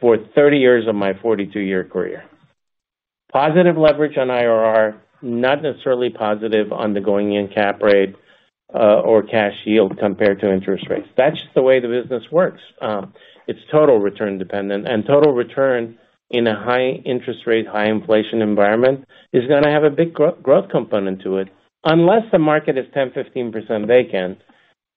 for 30 years of my 42-year career. Positive leverage on IRR, not necessarily positive on the going-in cap rate, or cash yield compared to interest rates. That's just the way the business works. It's total return dependent. Total return in a high interest rate, high inflation environment is gonna have a big growth component to it. Unless the market is 10, 15% vacant,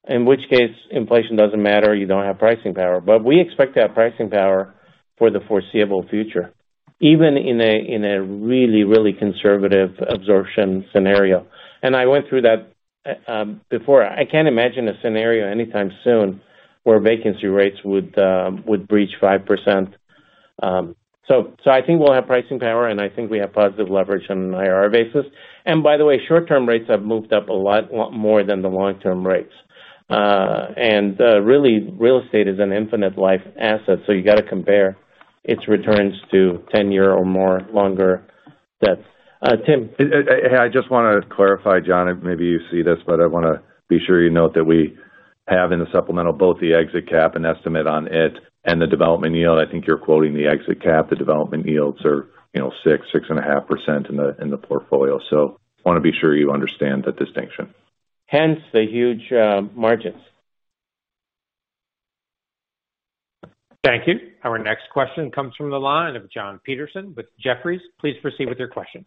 in which case inflation doesn't matter, you don't have pricing power. We expect to have pricing power for the foreseeable future, even in a really conservative absorption scenario. I went through that before. I can't imagine a scenario anytime soon where vacancy rates would breach 5%. So I think we'll have pricing power, and I think we have positive leverage on an IRR basis. By the way, short-term rates have moved up a lot more than the long-term rates. Real estate is an infinite life asset, so you gotta compare its returns to 10-year or more longer debts. Tim- Hey, I just wanna clarify, John, and maybe you see this, but I wanna be sure you note that we have in the supplemental both the exit cap and estimate on it and the development yield. I think you're quoting the exit cap. The development yields are, you know, 6.5% in the portfolio. Wanna be sure you understand the distinction. Hence the huge margins. Thank you. Our next question comes from the line of Jon Petersen with Jefferies. Please proceed with your question.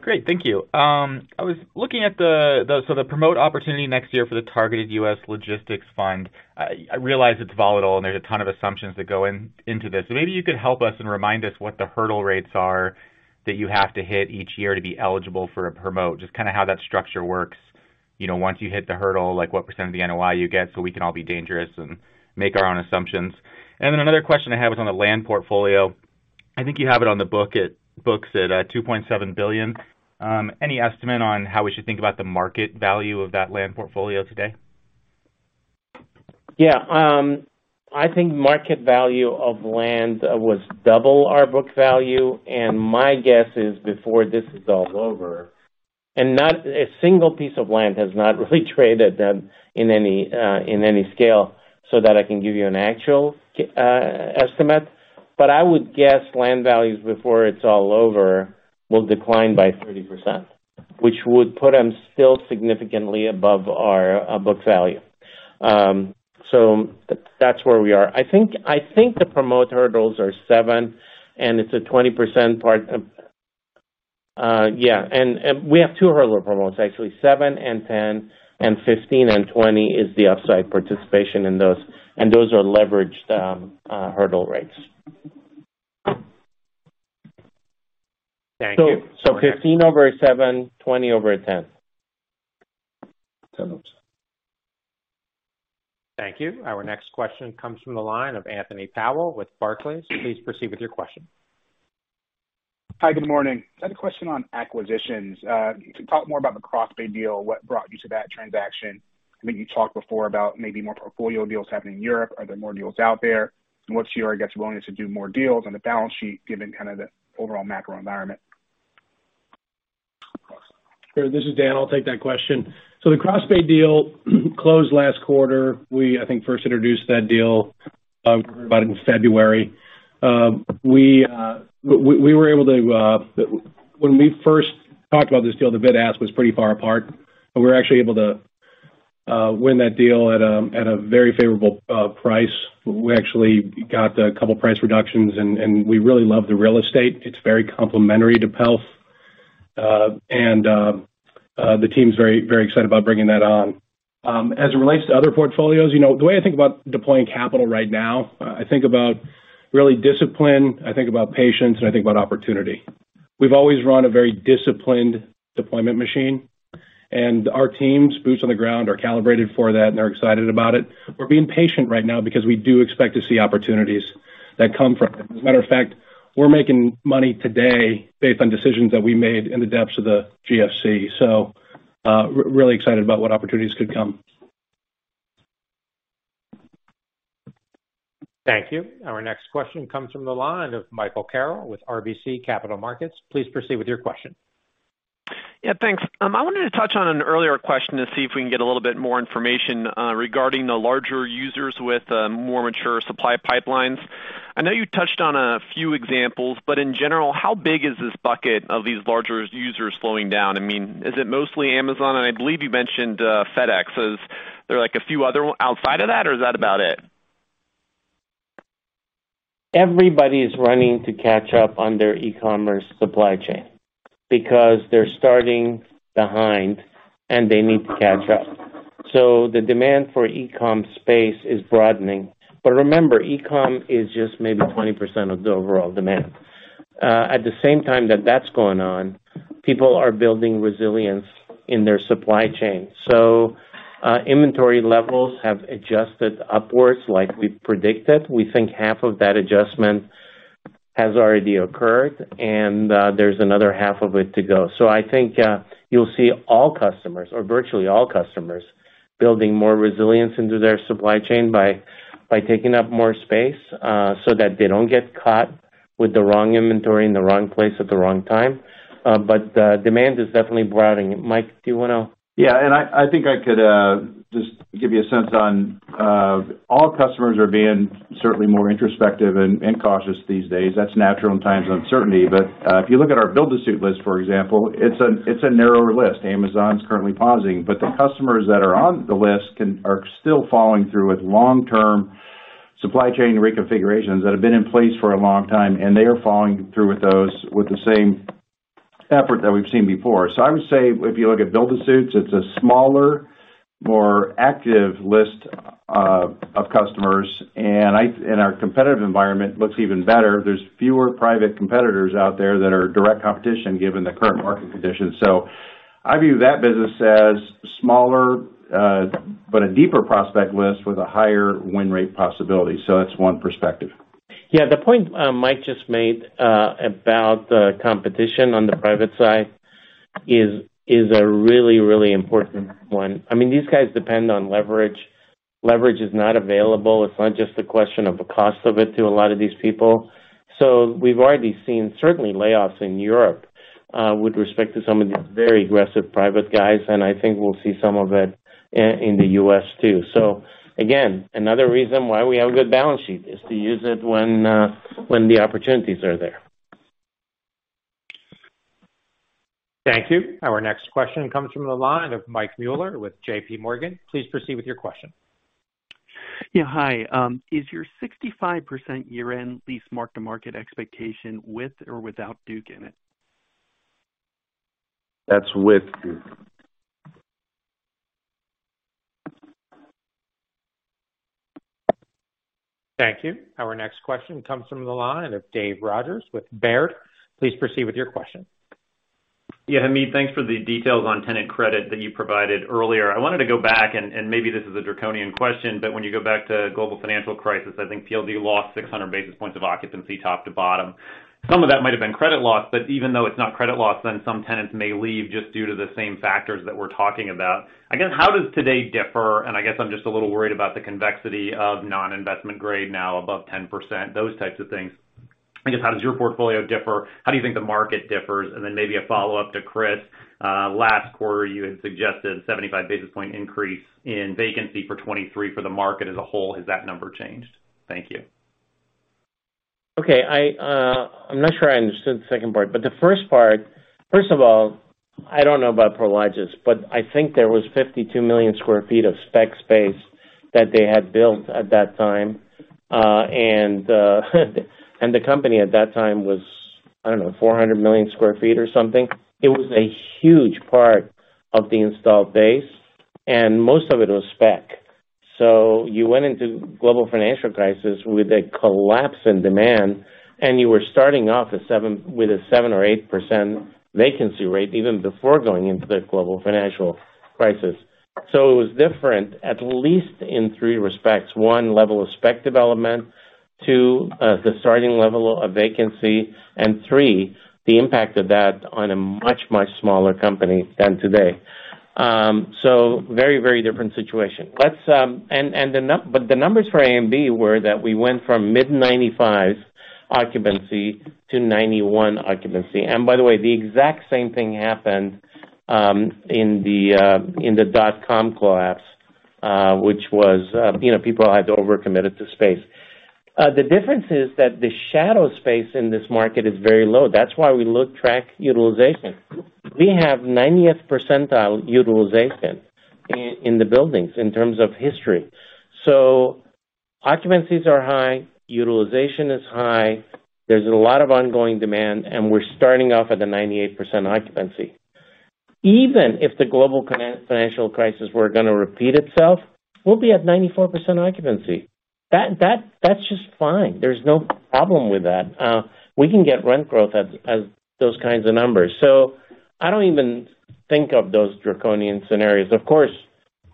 Great. Thank you. I was looking at the promote opportunity next year for the targeted U.S. logistics fund. I realize it's volatile, and there's a ton of assumptions that go into this. So maybe you could help us and remind us what the hurdle rates are that you have to hit each year to be eligible for a promote, just kinda how that structure works. You know, once you hit the hurdle, like what percent of the NOI you get, so we can all be dangerous and make our own assumptions. Then another question I have is on the land portfolio. I think you have it on the books at $2.7 billion. Any estimate on how we should think about the market value of that land portfolio today? Yeah. I think market value of land was double our book value, and my guess is before this is all over, and not a single piece of land has not really traded in any scale so that I can give you an actual estimate. I would guess land values, before it's all over, will decline by 30%, which would put them still significantly above our book value. That's where we are. I think the promote hurdles are seven, and it's a 20% part of yeah, and we have two hurdle promotes actually, 7 and 10, and 15 and 20 is the upside participation in those, and those are leveraged hurdle rates. Thank you. 15 over a 7, 20 over a 10. Thank you. Our next question comes from the line of Anthony Powell with Barclays. Please proceed with your question. Hi, good morning. I had a question on acquisitions. Can you talk more about the CrossBay deal, what brought you to that transaction? I think you talked before about maybe more portfolio deals happening in Europe. Are there more deals out there? What's your, I guess, willingness to do more deals on the balance sheet, given kind of the overall macro environment? Sure. This is Dan. I'll take that question. The CrossBay deal closed last quarter. I think we first introduced that deal back in February. When we first talked about this deal, the bid-ask was pretty far apart, but we were actually able to win that deal at a very favorable price. We actually got a couple price reductions and we really love the real estate. It's very complementary to PELF. The team's very excited about bringing that on. As it relates to other portfolios, you know, the way I think about deploying capital right now, I think about real discipline, I think about patience, and I think about opportunity. We've always run a very disciplined deployment machine, and our teams, boots on the ground, are calibrated for that, and they're excited about it. We're being patient right now because we do expect to see opportunities that come from it. As a matter of fact, we're making money today based on decisions that we made in the depths of the GFC. Really excited about what opportunities could come. Thank you. Our next question comes from the line of Michael Carroll with RBC Capital Markets. Please proceed with your question. Yeah, thanks. I wanted to touch on an earlier question to see if we can get a little bit more information regarding the larger users with more mature supply pipelines. I know you touched on a few examples, but in general, how big is this bucket of these larger users slowing down? I mean, is it mostly Amazon? I believe you mentioned FedEx. Is there, like, a few other one outside of that, or is that about it? Everybody is running to catch up on their e-commerce supply chain because they're starting behind and they need to catch up. The demand for e-com space is broadening. Remember, e-com is just maybe 20% of the overall demand. At the same time that that's going on, people are building resilience in their supply chain. Inventory levels have adjusted upwards like we predicted. We think half of that adjustment has already occurred, and there's another half of it to go. I think you'll see all customers or virtually all customers building more resilience into their supply chain by taking up more space so that they don't get caught with the wrong inventory in the wrong place at the wrong time. The demand is definitely broadening. Mike, do you wanna? Yeah. I think I could just give you a sense on all customers are being certainly more introspective and cautious these days. That's natural in times of uncertainty. If you look at our build-to-suit list, for example, it's a narrower list. Amazon's currently pausing, but the customers that are on the list are still following through with long-term supply chain reconfigurations that have been in place for a long time, and they are following through with those with the same effort that we've seen before. I would say if you look at build-to-suits, it's a smaller, more active list of customers. And our competitive environment looks even better. There's fewer private competitors out there that are direct competition given the current market conditions. I view that business as smaller, but a deeper prospect list with a higher win rate possibility. That's one perspective. Yeah. The point Mike just made about the competition on the private side is a really, really important one. I mean, these guys depend on leverage. Leverage is not available. It's not just a question of the cost of it to a lot of these people. We've already seen certainly layoffs in Europe with respect to some of these very aggressive private guys, and I think we'll see some of it in the US too. Again, another reason why we have a good balance sheet is to use it when the opportunities are there. Thank you. Our next question comes from the line of Mike Mueller with J.P. Morgan. Please proceed with your question. Yeah. Hi. Is your 65% year-end lease mark-to-market expectation with or without Duke in it? That's with Duke. Thank you. Our next question comes from the line of David Rodgers with Baird. Please proceed with your question. Yeah. Hamid, thanks for the details on tenant credit that you provided earlier. I wanted to go back, and maybe this is a draconian question, but when you go back to global financial crisis, I think PLD lost 600 basis points of occupancy top to bottom. Some of that might've been credit loss, but even though it's not credit loss, then some tenants may leave just due to the same factors that we're talking about. I guess, how does today differ? I guess I'm just a little worried about the convexity of non-investment grade now above 10%, those types of things. I guess, how does your portfolio differ? How do you think the market differs? Maybe a follow-up to Chris. Last quarter, you had suggested 75 basis point increase in vacancy for 2023 for the market as a whole. Has that number changed? Thank you. Okay. I'm not sure I understood the second part. The first part. First of all, I don't know about Prologis, but I think there was 52 million sq ft of spec space that they had built at that time. And the company at that time was, I don't know, 400 million sq ft or something. It was a huge part of the installed base, and most of it was spec. You went into global financial crisis with a collapse in demand, and you were starting off with a 7% or 8% vacancy rate even before going into the global financial crisis. It was different, at least in three respects. One, level of spec development. Two, the starting level of vacancy. And three, the impact of that on a much, much smaller company than today. Very different situation. The numbers for A and B were that we went from mid-95 occupancy to 91 occupancy. By the way, the exact same thing happened in the dot-com collapse, which was, you know, people had over-committed to space. The difference is that the shadow space in this market is very low. That's why we look at rack utilization. We have 90th percentile utilization in the buildings in terms of history. Occupancies are high, utilization is high, there's a lot of ongoing demand, and we're starting off at a 98% occupancy. Even if the global financial crisis were gonna repeat itself, we'll be at 94% occupancy. That's just fine. There's no problem with that. We can get rent growth at those kinds of numbers. I don't even think of those draconian scenarios. Of course,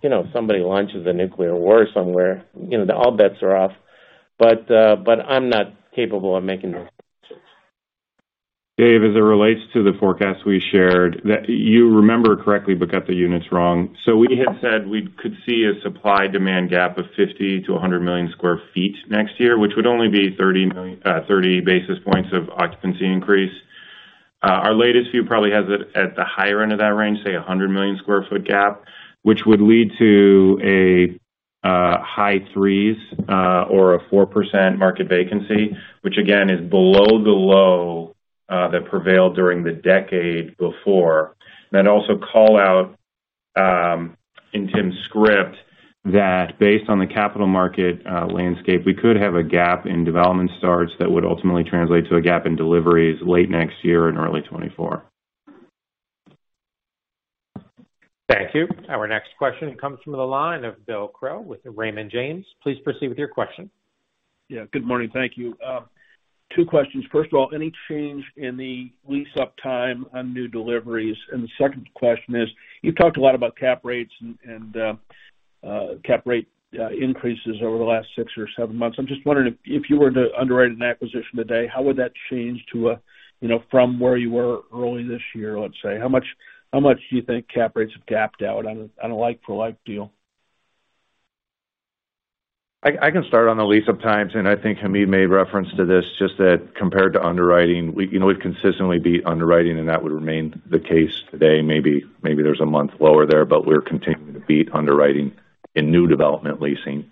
you know, if somebody launches a nuclear war somewhere, you know, all bets are off. But I'm not capable of making those decisions. Dave, as it relates to the forecast we shared, that you remember correctly, but got the units wrong. We had said we could see a supply-demand gap of 50 million sq ft-100 million sq ft next year, which would only be 30 basis points of occupancy increase. Our latest view probably has it at the higher end of that range, say 100 million sq ft gap, which would lead to a high threes or 4% market vacancy, which again, is below the low that prevailed during the decade before. Also call out in Tim's script that based on the capital market landscape, we could have a gap in development starts that would ultimately translate to a gap in deliveries late next year and early 2024. Thank you. Our next question comes from the line of William Crow with Raymond James. Please proceed with your question. Yeah, good morning. Thank you. Two questions. First of all, any change in the lease-up time on new deliveries? The second question is, you've talked a lot about cap rates and cap rate increases over the last six or seven months. I'm just wondering if you were to underwrite an acquisition today, how would that change, you know, from where you were early this year, let's say? How much do you think cap rates have gapped out on a like for like deal? I can start on the lease-up times, and I think Hamid made reference to this, just that compared to underwriting, we, you know, we'd consistently beat underwriting, and that would remain the case today. Maybe there's a month lower there, but we're continuing to beat underwriting in new development leasing.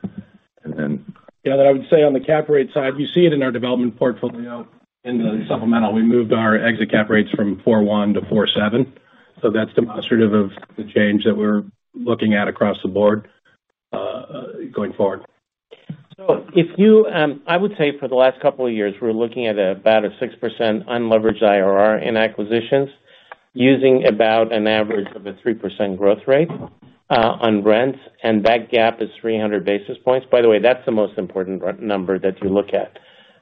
Then- Yeah, I would say on the cap rate side, you see it in our development portfolio in the supplemental. We moved our exit cap rates from 4.1%-4.7%. That's demonstrative of the change that we're looking at across the board going forward. If you, I would say for the last couple of years, we're looking at about a 6% unlevered IRR in acquisitions, using about an average of a 3% growth rate on rents, and that gap is 300 basis points. By the way, that's the most important our number that you look at,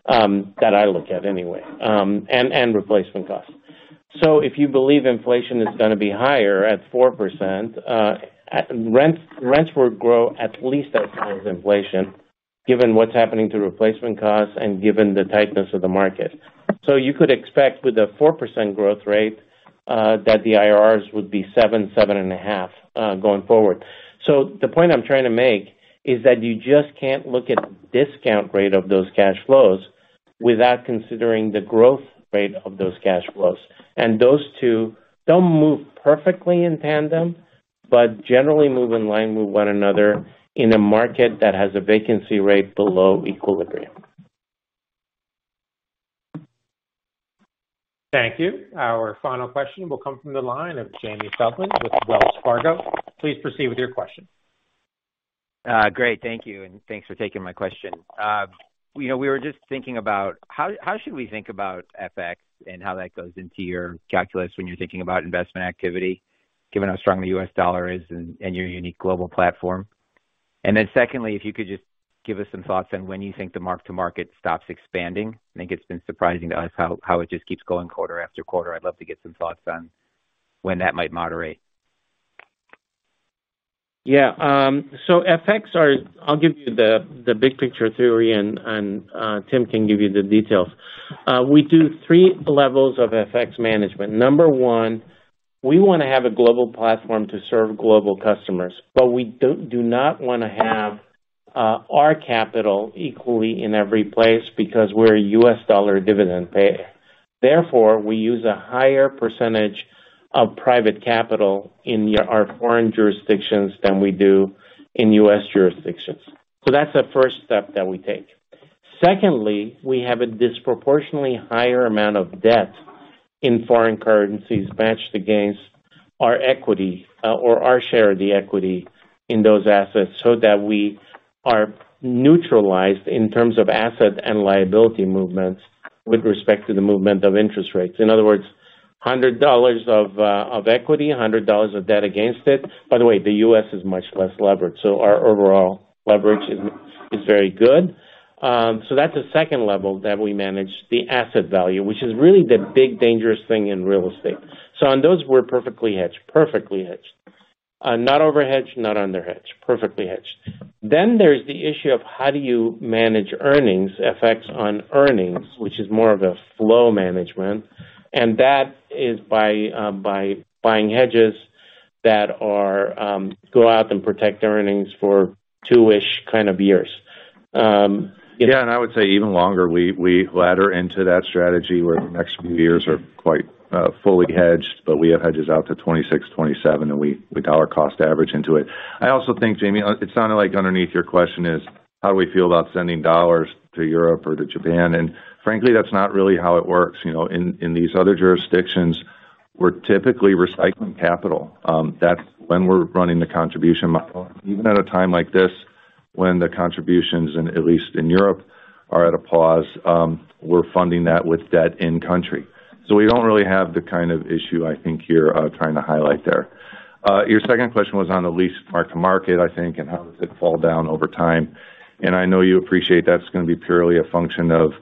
that I look at anyway, and replacement costs. If you believe inflation is gonna be higher at 4%, rents will grow at least at today's inflation given what's happening to replacement costs and given the tightness of the market. You could expect with a 4% growth rate that the IRRs would be 7%-7.5% going forward. The point I'm trying to make is that you just can't look at discount rate of those cash flows without considering the growth rate of those cash flows. Those two don't move perfectly in tandem, but generally move in line with one another in a market that has a vacancy rate below equilibrium. Thank you. Our final question will come from the line of Jamie Feldman with Wells Fargo. Please proceed with your question. Great. Thank you, and thanks for taking my question. You know, we were just thinking about how should we think about FX and how that goes into your calculus when you're thinking about investment activity, given how strong the U.S. dollar is and your unique global platform. Then secondly, if you could just give us some thoughts on when you think the mark-to-market stops expanding. I think it's been surprising to us how it just keeps going quarter after quarter. I'd love to get some thoughts on when that might moderate. Yeah. FX are. I'll give you the big picture theory and Tim can give you the details. We do three levels of FX management. Number one, we wanna have a global platform to serve global customers, but we do not wanna have our capital equally in every place because we're a U.S. dollar dividend payer. Therefore, we use a higher percentage of private capital in our foreign jurisdictions than we do in U.S. jurisdictions. That's the first step that we take. Secondly, we have a disproportionately higher amount of debt in foreign currencies matched against our equity or our share of the equity in those assets, so that we are neutralized in terms of asset and liability movements with respect to the movement of interest rates. In other words, $100 of equity, $100 of debt against it. By the way, the U.S. is much less levered, so our overall leverage is very good. That's a second level that we manage the asset value, which is really the big, dangerous thing in real estate. On those, we're perfectly hedged. Perfectly hedged. Not over-hedged, not under-hedged, perfectly hedged. There's the issue of how do you manage earnings, effects on earnings, which is more of a flow management, and that is by buying hedges that go out and protect earnings for two-ish kind of years. Yeah. I would say even longer. We ladder into that strategy where the next few years are quite fully hedged, but we have hedges out to 2026, 2027, and we dollar cost average into it. I also think, Jamie, it sounded like underneath your question is how do we feel about sending dollars to Europe or to Japan? Frankly, that's not really how it works. You know, in these other jurisdictions, we're typically recycling capital, that's when we're running the contribution model. Even at a time like this, when the contributions, at least in Europe, are at a pause, we're funding that with debt in country. We don't really have the kind of issue I think you're trying to highlight there. Your second question was on the lease mark-to-market, I think, and how does it fall down over time. I know you appreciate that's gonna be purely a function of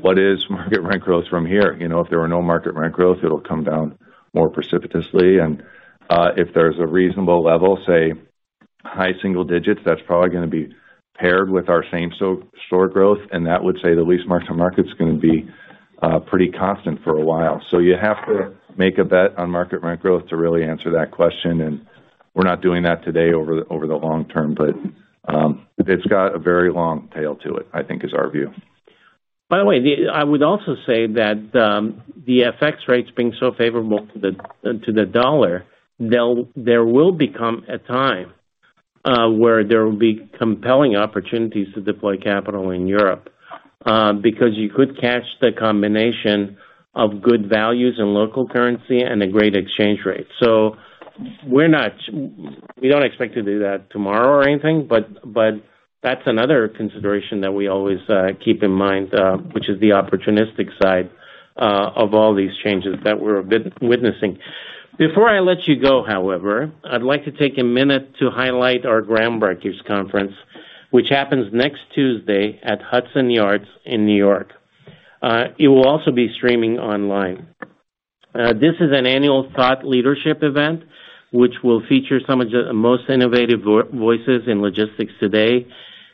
what is market rent growth from here. You know, if there are no market rent growth, it'll come down more precipitously. If there's a reasonable level, say high-single-digits, that's probably gonna be paired with our same-store growth, and that would say the lease mark-to-market's gonna be pretty constant for a while. You have to make a bet on market rent growth to really answer that question, and we're not doing that today over the long term. It's got a very long tail to it, I think is our view. By the way, I would also say that the FX rates being so favorable to the dollar, there will become a time where there will be compelling opportunities to deploy capital in Europe, because you could catch the combination of good values in local currency and a great exchange rate. We don't expect to do that tomorrow or anything, but that's another consideration that we always keep in mind, which is the opportunistic side of all these changes that we're about witnessing. Before I let you go, however, I'd like to take a minute to highlight our Groundbreakers conference, which happens next Tuesday at Hudson Yards in New York. It will also be streaming online. This is an annual thought leadership event which will feature some of the most innovative voices in logistics today,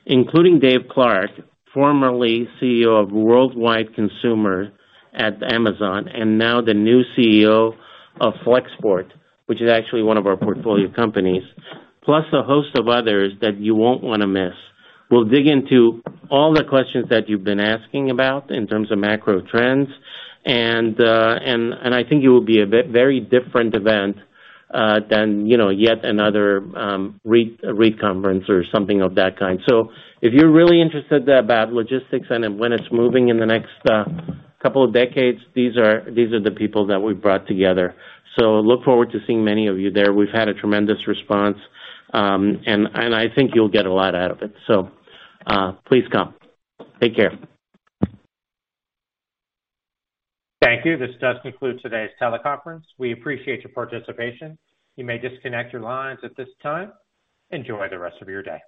including Dave Clark, formerly CEO of Worldwide Consumer at Amazon, and now the new CEO of Flexport, which is actually one of our portfolio companies, plus a host of others that you won't wanna miss. We'll dig into all the questions that you've been asking about in terms of macro trends and I think it will be a very different event than you know yet another REIT conference or something of that kind. If you're really interested about logistics and when it's moving in the next couple of decades, these are the people that we've brought together. Look forward to seeing many of you there. We've had a tremendous response, and I think you'll get a lot out of it. Please come. Take care. Thank you. This does conclude today's teleconference. We appreciate your participation. You may disconnect your lines at this time. Enjoy the rest of your day.